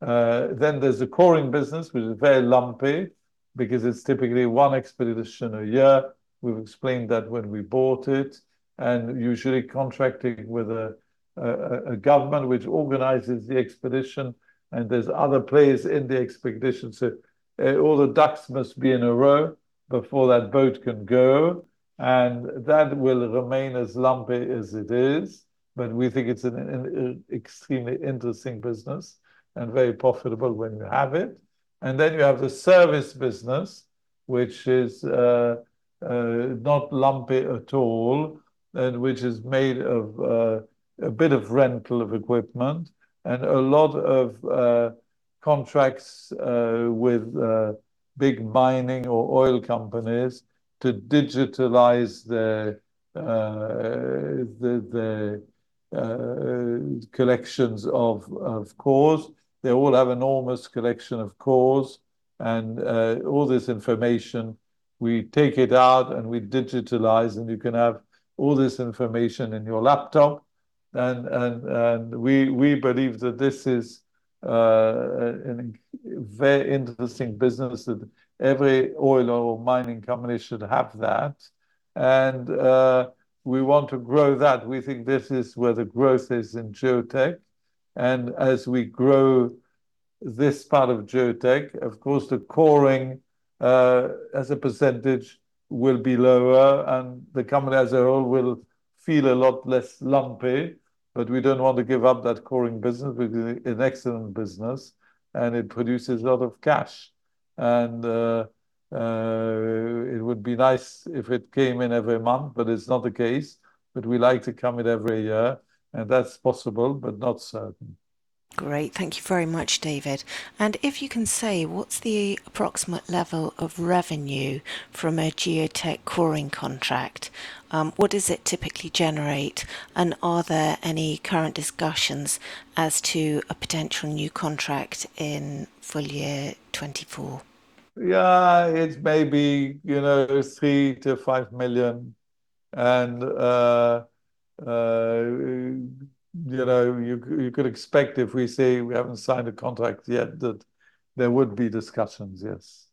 S2: Then there's a coring business, which is very lumpy because it's typically one expedition a year. We've explained that when we bought it and usually contracting with a government which organizes the expedition. And there's other players in the expedition. So all the ducks must be in a row before that boat can go. And that will remain as lumpy as it is. But we think it's an extremely interesting business and very profitable when you have it. Then you have the service business, which is not lumpy at all and which is made of a bit of rental of equipment and a lot of contracts with big mining or oil companies to digitalize the collections of cores. They all have enormous collection of cores. All this information, we take it out and we digitalize. You can have all this information in your laptop. We believe that this is a very interesting business that every oil or mining company should have that. We want to grow that. We think this is where the growth is in Geotek. As we grow this part of Geotek, of course, the coring as a percentage will be lower. The company as a whole will feel a lot less lumpy. We don't want to give up that coring business because it's an excellent business and it produces a lot of cash. It would be nice if it came in every month, but it's not the case. We like to come in every year. That's possible, but not certain.
S1: Great. Thank you very much, David. And if you can say, what's the approximate level of Geotek coring contract? what does it typically generate? And are there any current discussions as to a potential new contract in full year 2024?
S2: Yeah, it's maybe 3-5 million. You could expect if we say we haven't signed a contract yet that there would be discussions, yes.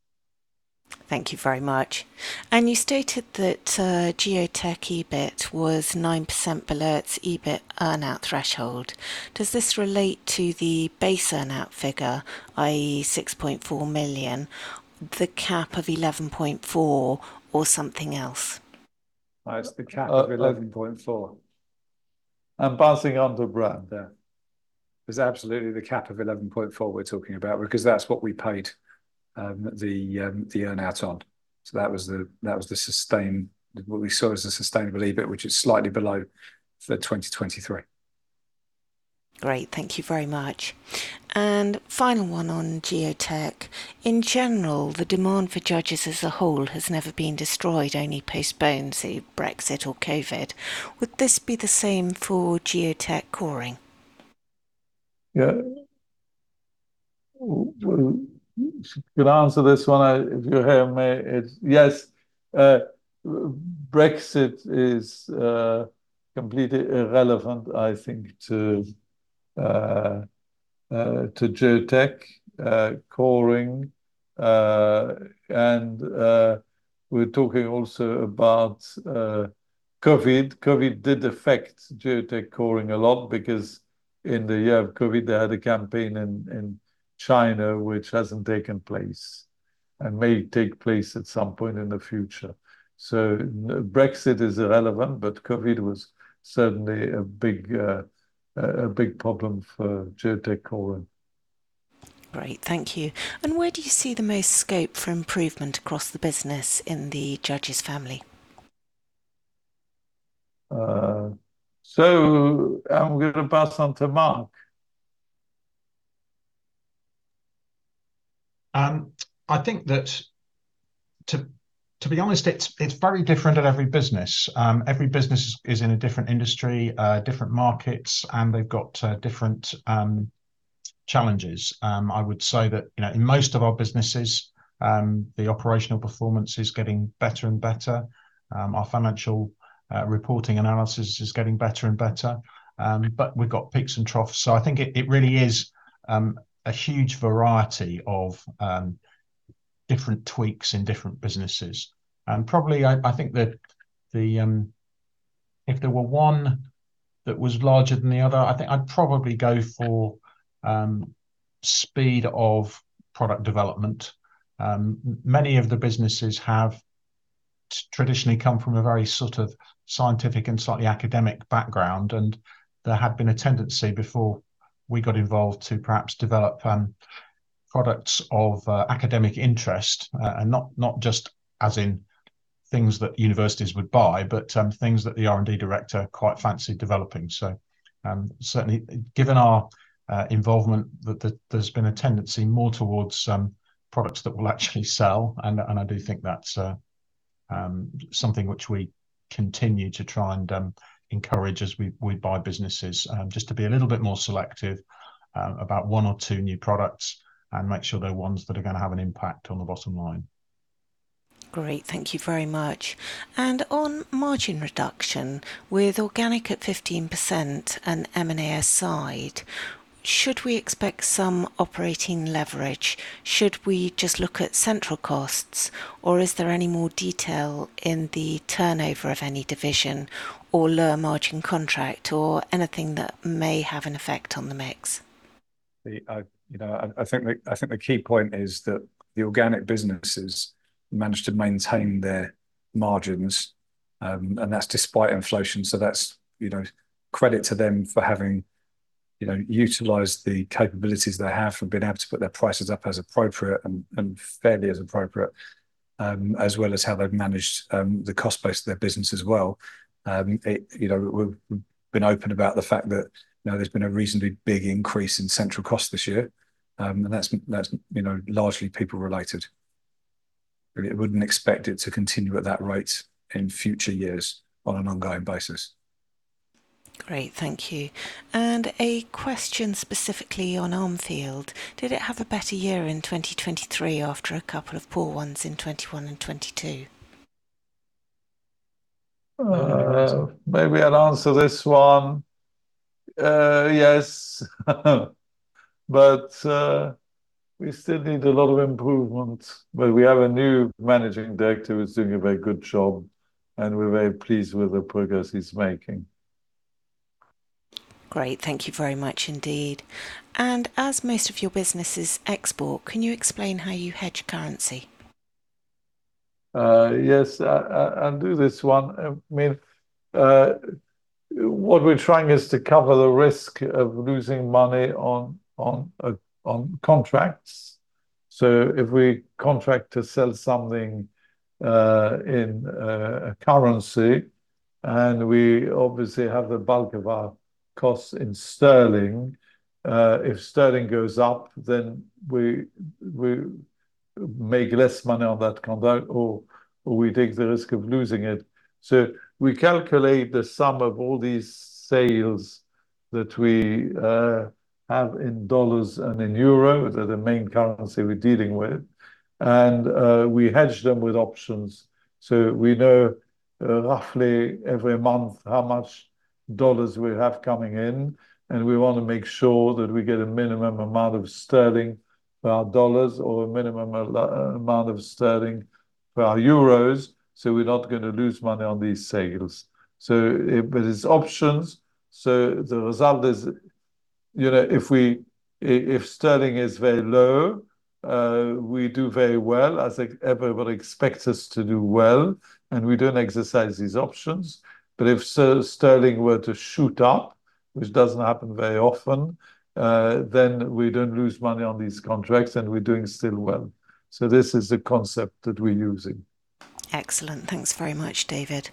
S1: Thank you very much. You stated that Geotek EBIT was 9% below its EBIT earnout threshold. Does this relate to the base earnout figure, i.e., 6.4 million, the cap of 11.4 million or something else?
S3: It's the cap of 11.4. I'm bouncing onto Brad there. It's absolutely the cap of 11.4 we're talking about because that's what we paid the earnout on. So that was what we saw as the sustainable EBIT, which is slightly below for 2023.
S1: Great. Thank you very much. Final one on Geotek. In general, the demand for Judges as a whole has never been destroyed, only postponed, say, Brexit or COVID. Would this be the same for Geotek coring?
S2: Yeah. To answer this one, if you hear me, yes, Brexit is completely irrelevant, regarding Geotek coring. and we're talking also about COVID. Geotek coring a lot because in the year of COVID, they had a campaign in China, which hasn't taken place and may take place at some point in the future. So Brexit is irrelevant, but COVID was certainly a big problem for Geotek coring.
S1: Great. Thank you. And where do you see the most scope for improvement across the business in the Judges' family?
S2: I'm going to pass on to Mark.
S4: I think that, to be honest, it's very different at every business. Every business is in a different industry, different markets, and they've got different challenges. I would say that in most of our businesses, the operational performance is getting better and better. Our financial reporting analysis is getting better and better. But we've got peaks and troughs. So I think it really is a huge variety of different tweaks in different businesses. And probably I think that if there were one that was larger than the other, I think I'd probably go for speed of product development. Many of the businesses have traditionally come from a very sort of scientific and slightly academic background. There had been a tendency before we got involved to perhaps develop products of academic interest, and not just as in things that universities would buy, but things that the R&D director quite fancied developing. Certainly, given our involvement, there's been a tendency more towards products that will actually sell. I do think that's something which we continue to try and encourage as we buy businesses, just to be a little bit more selective about one or two new products and make sure they're ones that are going to have an impact on the bottom line.
S1: Great. Thank you very much. On margin reduction, with organic at 15% and M&A aside, should we expect some operating leverage? Should we just look at central costs, or is there any more detail in the turnover of any division or lower margin contract or anything that may have an effect on the mix?
S4: I think the key point is that the organic businesses managed to maintain their margins, and that's despite inflation. That's credit to them for having utilized the capabilities they have and been able to put their prices up as appropriate and fairly as appropriate, as well as how they've managed the cost base of their business as well. We've been open about the fact that there's been a reasonably big increase in central costs this year. That's largely people-related. We wouldn't expect it to continue at that rate in future years on an ongoing basis.
S1: Great. Thank you. And a question specifically on Armfield. Did it have a better year in 2023 after a couple of poor ones in 2021 and 2022?
S2: Maybe I'll answer this one. Yes. But we still need a lot of improvement. But we have a new managing director who's doing a very good job, and we're very pleased with the progress he's making.
S1: Great. Thank you very much indeed. As most of your businesses export, can you explain how you hedge currency?
S2: Yes. I'll do this one. I mean, what we're trying is to cover the risk of losing money on contracts. So if we contract to sell something in a currency and we obviously have the bulk of our costs in sterling, if sterling goes up, then we make less money on that contract, or we take the risk of losing it. So we calculate the sum of all these sales that we have in dollars and in euro, they're the main currency we're dealing with. And we hedge them with options. So we know roughly every month how much dollars we have coming in. And we want to make sure that we get a minimum amount of sterling for our dollars or a minimum amount of sterling for our euros so we're not going to lose money on these sales. But it's options. So the result is if sterling is very low, we do very well as everybody expects us to do well, and we don't exercise these options. But if sterling were to shoot up, which doesn't happen very often, then we don't lose money on these contracts, and we're doing still well. So this is the concept that we're using.
S1: Excellent. Thanks very much, David.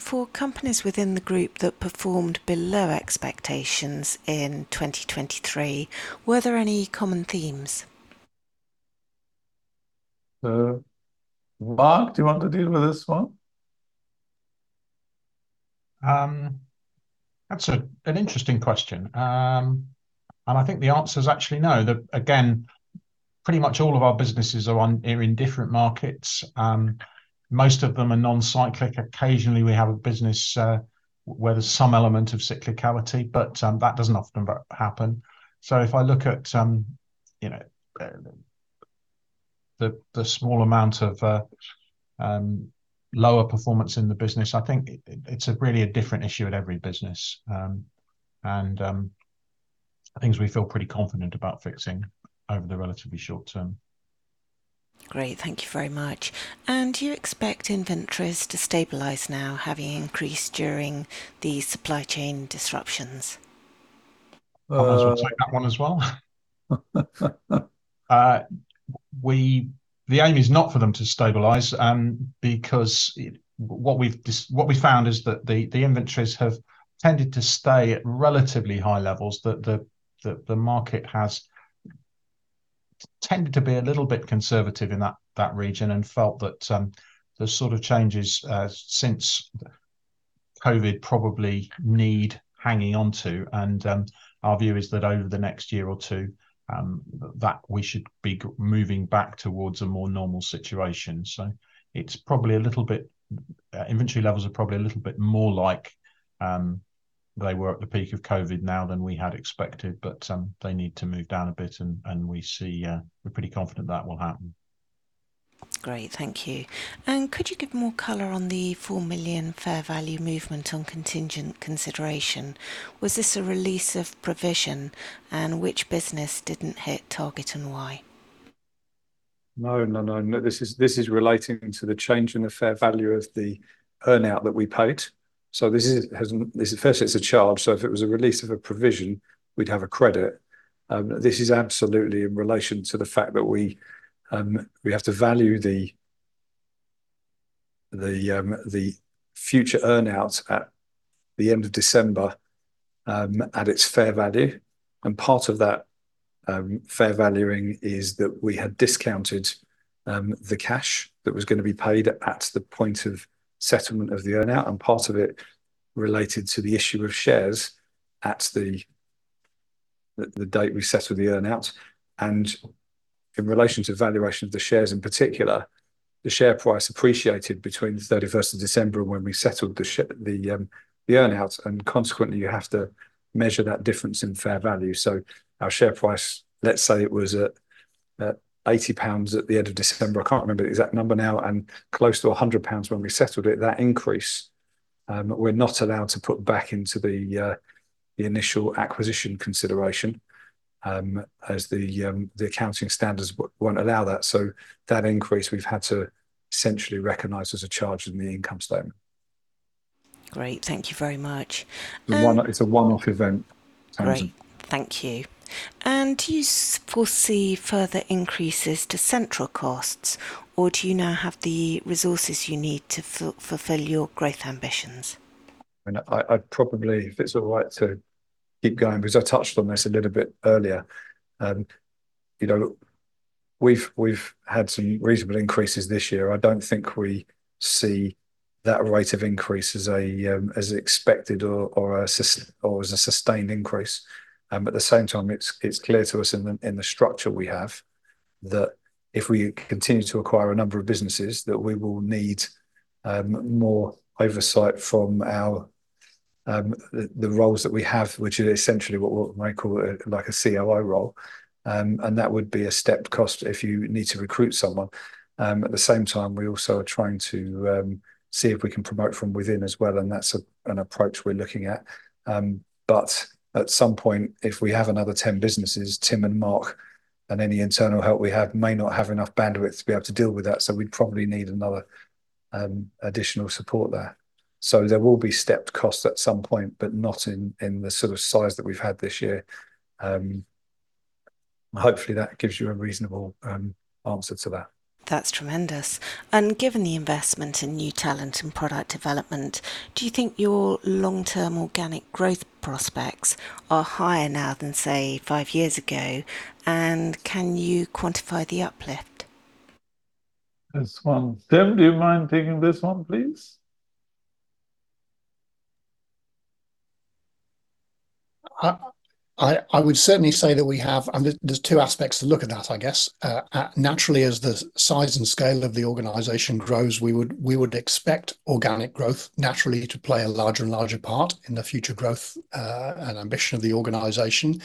S1: For companies within the group that performed below expectations in 2023, were there any common themes?
S2: Mark, do you want to deal with this one?
S4: That's an interesting question. I think the answer is actually no. Again, pretty much all of our businesses are in different markets. Most of them are non-cyclical. Occasionally, we have a business where there's some element of cyclicality, but that doesn't often happen. If I look at the small amount of lower performance in the business, I think it's really a different issue at every business and things we feel pretty confident about fixing over the relatively short term.
S1: Great. Thank you very much. Do you expect inventories to stabilize now having increased during the supply chain disruptions?
S4: I'll answer that one as well. The aim is not for them to stabilise because what we've found is that the inventories have tended to stay at relatively high levels. The market has tended to be a little bit conservative in that region and felt that the sort of changes since COVID probably need hanging onto. And our view is that over the next year or two, we should be moving back towards a more normal situation. So it's probably a little bit inventory levels are probably a little bit more like they were at the peak of COVID now than we had expected, but they need to move down a bit. And we're pretty confident that will happen.
S1: Great. Thank you. Could you give more color on the 4 million fair value movement on contingent consideration? Was this a release of provision, and which business didn't hit target and why?
S4: No, no, no. This is relating to the change in the fair value of the earnout that we paid. So first, it's a charge. So if it was a release of a provision, we'd have a credit. This is absolutely in relation to the fact that we have to value the future earnouts at the end of December at its fair value. And part of that fair valuing is that we had discounted the cash that was going to be paid at the point of settlement of the earnout, and part of it related to the issue of shares at the date we settled the earnout. And in relation to valuation of the shares in particular, the share price appreciated between the 31st of December and when we settled the earnout. And consequently, you have to measure that difference in fair value. Our share price, let's say it was at 80 pounds at the end of December. I can't remember the exact number now. Close to 100 pounds when we settled it, that increase, we're not allowed to put back into the initial acquisition consideration as the accounting standards won't allow that. That increase, we've had to essentially recognize as a charge in the income statement.
S1: Great. Thank you very much.
S4: It's a one-off event.
S1: Great. Thank you. Do you foresee further increases to central costs, or do you now have the resources you need to fulfill your growth ambitions?
S4: I mean, if it's all right to keep going, because I touched on this a little bit earlier, we've had some reasonable increases this year. I don't think we see that rate of increase as expected or as a sustained increase. At the same time, it's clear to us in the structure we have that if we continue to acquire a number of businesses, that we will need more oversight from the roles that we have, which is essentially what we call a COO role. That would be a stepped cost if you need to recruit someone. At the same time, we also are trying to see if we can promote from within as well. That's an approach we're looking at. But at some point, if we have another 10 businesses, Tim and Mark and any internal help we have may not have enough bandwidth to be able to deal with that. So we'd probably need another additional support there. So there will be stepped costs at some point, but not in the sort of size that we've had this year. Hopefully, that gives you a reasonable answer to that.
S1: That's tremendous. Given the investment in new talent and product development, do you think your long-term organic growth prospects are higher now than, say, five years ago? Can you quantify the uplift?
S2: This one. Tim, do you mind taking this one, please?
S5: I would certainly say that we have and there's two aspects to look at that, I guess. Naturally, as the size and scale of the organization grows, we would expect organic growth naturally to play a larger and larger part in the future growth and ambition of the organization.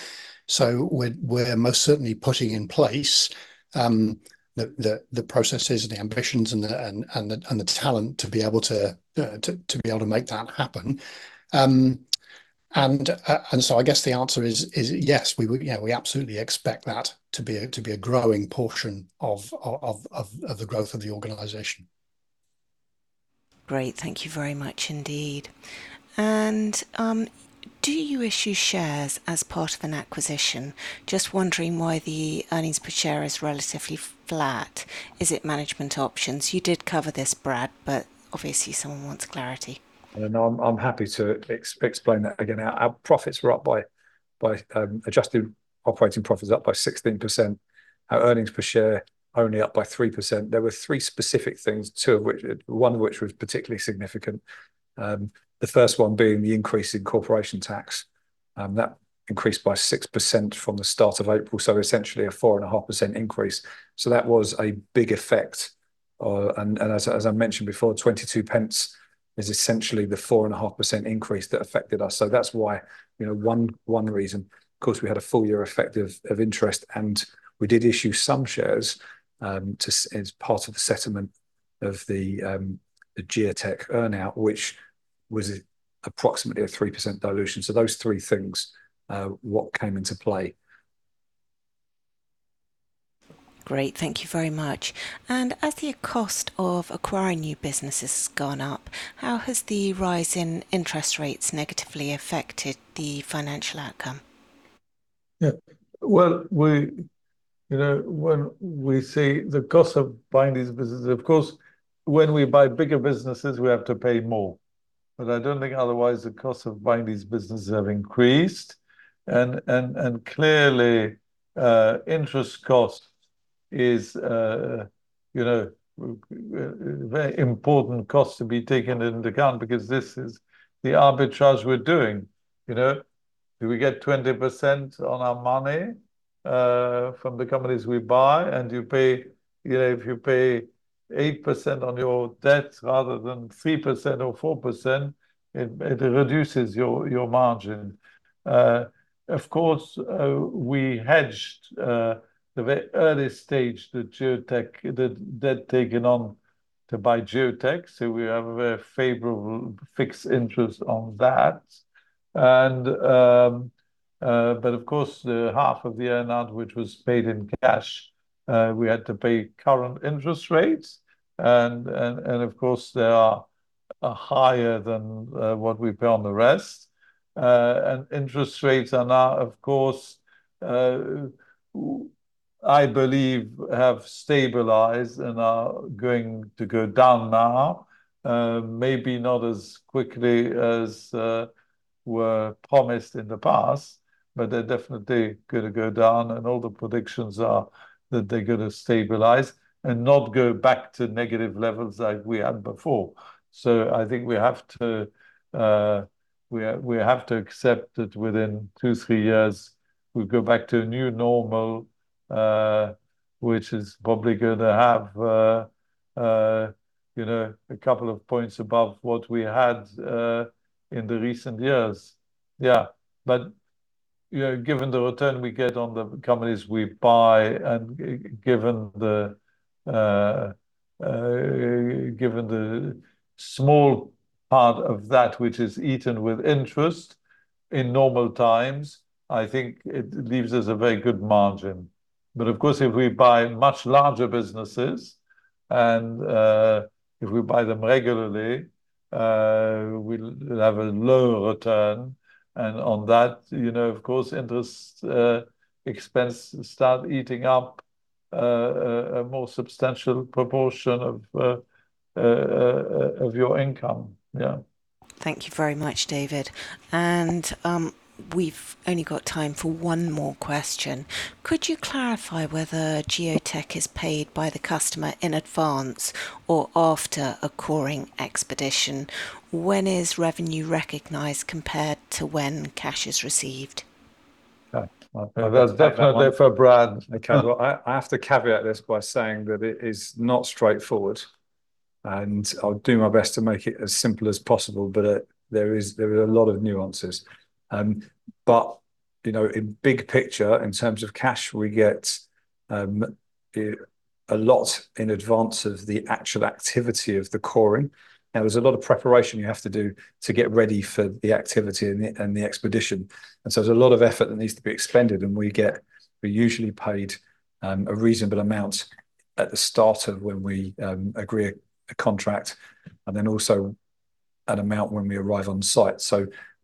S5: So we're most certainly putting in place the processes and the ambitions and the talent to be able to be able to make that happen. And so I guess the answer is yes, we absolutely expect that to be a growing portion of the growth of the organization.
S1: Great. Thank you very much indeed. Do you issue shares as part of an acquisition? Just wondering why the earnings per share is relatively flat. Is it management options? You did cover this, Brad, but obviously, someone wants clarity.
S3: I'm happy to explain that again. Our profits were up by adjusted operating profits up by 16%. Our earnings per share only up by 3%. There were three specific things, one of which was particularly significant. The first one being the increase in corporation tax. That increased by 6% from the start of April. So essentially, a 4.5% increase. So that was a big effect. And as I mentioned before, 0.22 is essentially the 4.5% increase that affected us. So that's one reason. Of course, we had a full year effect of interest, and we did issue some shares as part of the settlement of the Geotek earnout, which was approximately a 3% dilution. So those three things, what came into play?
S1: Great. Thank you very much. As the cost of acquiring new businesses has gone up, how has the rise in interest rates negatively affected the financial outcome?
S2: Yeah. Well, when we see the cost of buying these businesses of course, when we buy bigger businesses, we have to pay more. But I don't think otherwise the cost of buying these businesses have increased. And clearly, interest cost is a very important cost to be taken into account because this is the arbitrage we're doing. Do we get 20% on our money from the companies we buy? And if you pay 8% on your debt rather than 3% or 4%, it reduces your margin. Of course, we hedged the very early stage, the debt taken on to buy Geotek. So we have a very favorable fixed interest on that. But of course, half of the earnout, which was paid in cash, we had to pay current interest rates. And of course, they are higher than what we pay on the rest. Interest rates are now, of course, I believe, have stabilised and are going to go down now. Maybe not as quickly as were promised in the past, but they're definitely going to go down. All the predictions are that they're going to stabilise and not go back to negative levels like we had before. I think we have to accept that within 2-3 years, we go back to a new normal, which is probably going to have a couple of points above what we had in the recent years. Yeah. But given the return we get on the companies we buy and given the small part of that which is eaten with interest in normal times, I think it leaves us a very good margin. Of course, if we buy much larger businesses and if we buy them regularly, we'll have a lower return. On that, of course, interest expense starts eating up a more substantial proportion of your income. Yeah.
S1: Thank you very much, David. We've only got time for one more question. Could you clarify whether Geotek is paid by the customer in advance or after a coring expedition? When is revenue recognized compared to when cash is received?
S2: That's definitely for Brad.
S3: I have to caveat this by saying that it is not straightforward. I'll do my best to make it as simple as possible, but there are a lot of nuances. In big picture, in terms of cash, we get a lot in advance of the actual activity of the coring. Now, there's a lot of preparation you have to do to get ready for the activity and the expedition. So there's a lot of effort that needs to be expended. We usually paid a reasonable amount at the start of when we agree a contract and then also an amount when we arrive on site.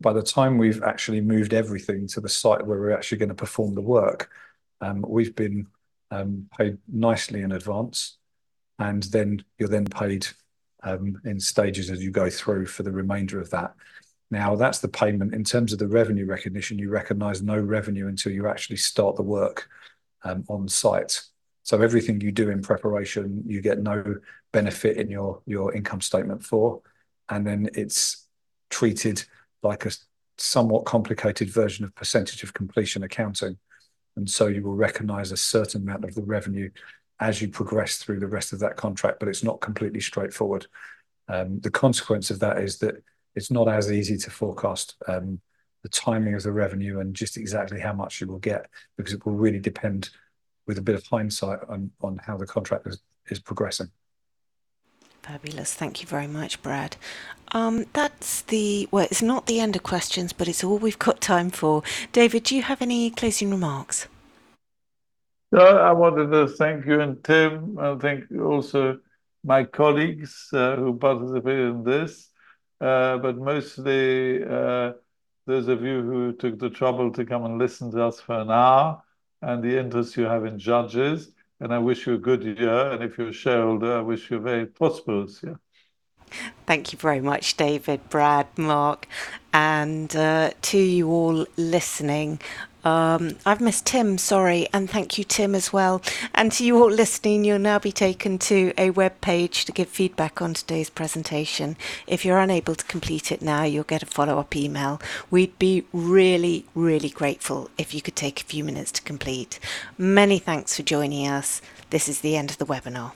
S3: By the time we've actually moved everything to the site where we're actually going to perform the work, we've been paid nicely in advance. You're then paid in stages as you go through for the remainder of that. Now, that's the payment. In terms of the revenue recognition, you recognize no revenue until you actually start the work on site. Everything you do in preparation, you get no benefit in your income statement for. Then it's treated like a somewhat complicated version of percentage of completion accounting. You will recognize a certain amount of the revenue as you progress through the rest of that contract, but it's not completely straightforward. The consequence of that is that it's not as easy to forecast the timing of the revenue and just exactly how much you will get because it will really depend with a bit of hindsight on how the contract is progressing.
S1: Fabulous. Thank you very much, Brad. Well, it's not the end of questions, but it's all we've got time for. David, do you have any closing remarks?
S2: No, I wanted to thank you and Tim. I think also my colleagues who participated in this. But mostly, those of you who took the trouble to come and listen to us for an hour and the interest you have in Judges. And I wish you a good year. And if you're a shareholder, I wish you a very prosperous year.
S1: Thank you very much, David, Brad, Mark. And to you all listening, I've missed Tim, sorry. And thank you, Tim, as well. And to you all listening, you'll now be taken to a web page to give feedback on today's presentation. If you're unable to complete it now, you'll get a follow-up email. We'd be really, really grateful if you could take a few minutes to complete. Many thanks for joining us. This is the end of the webinar.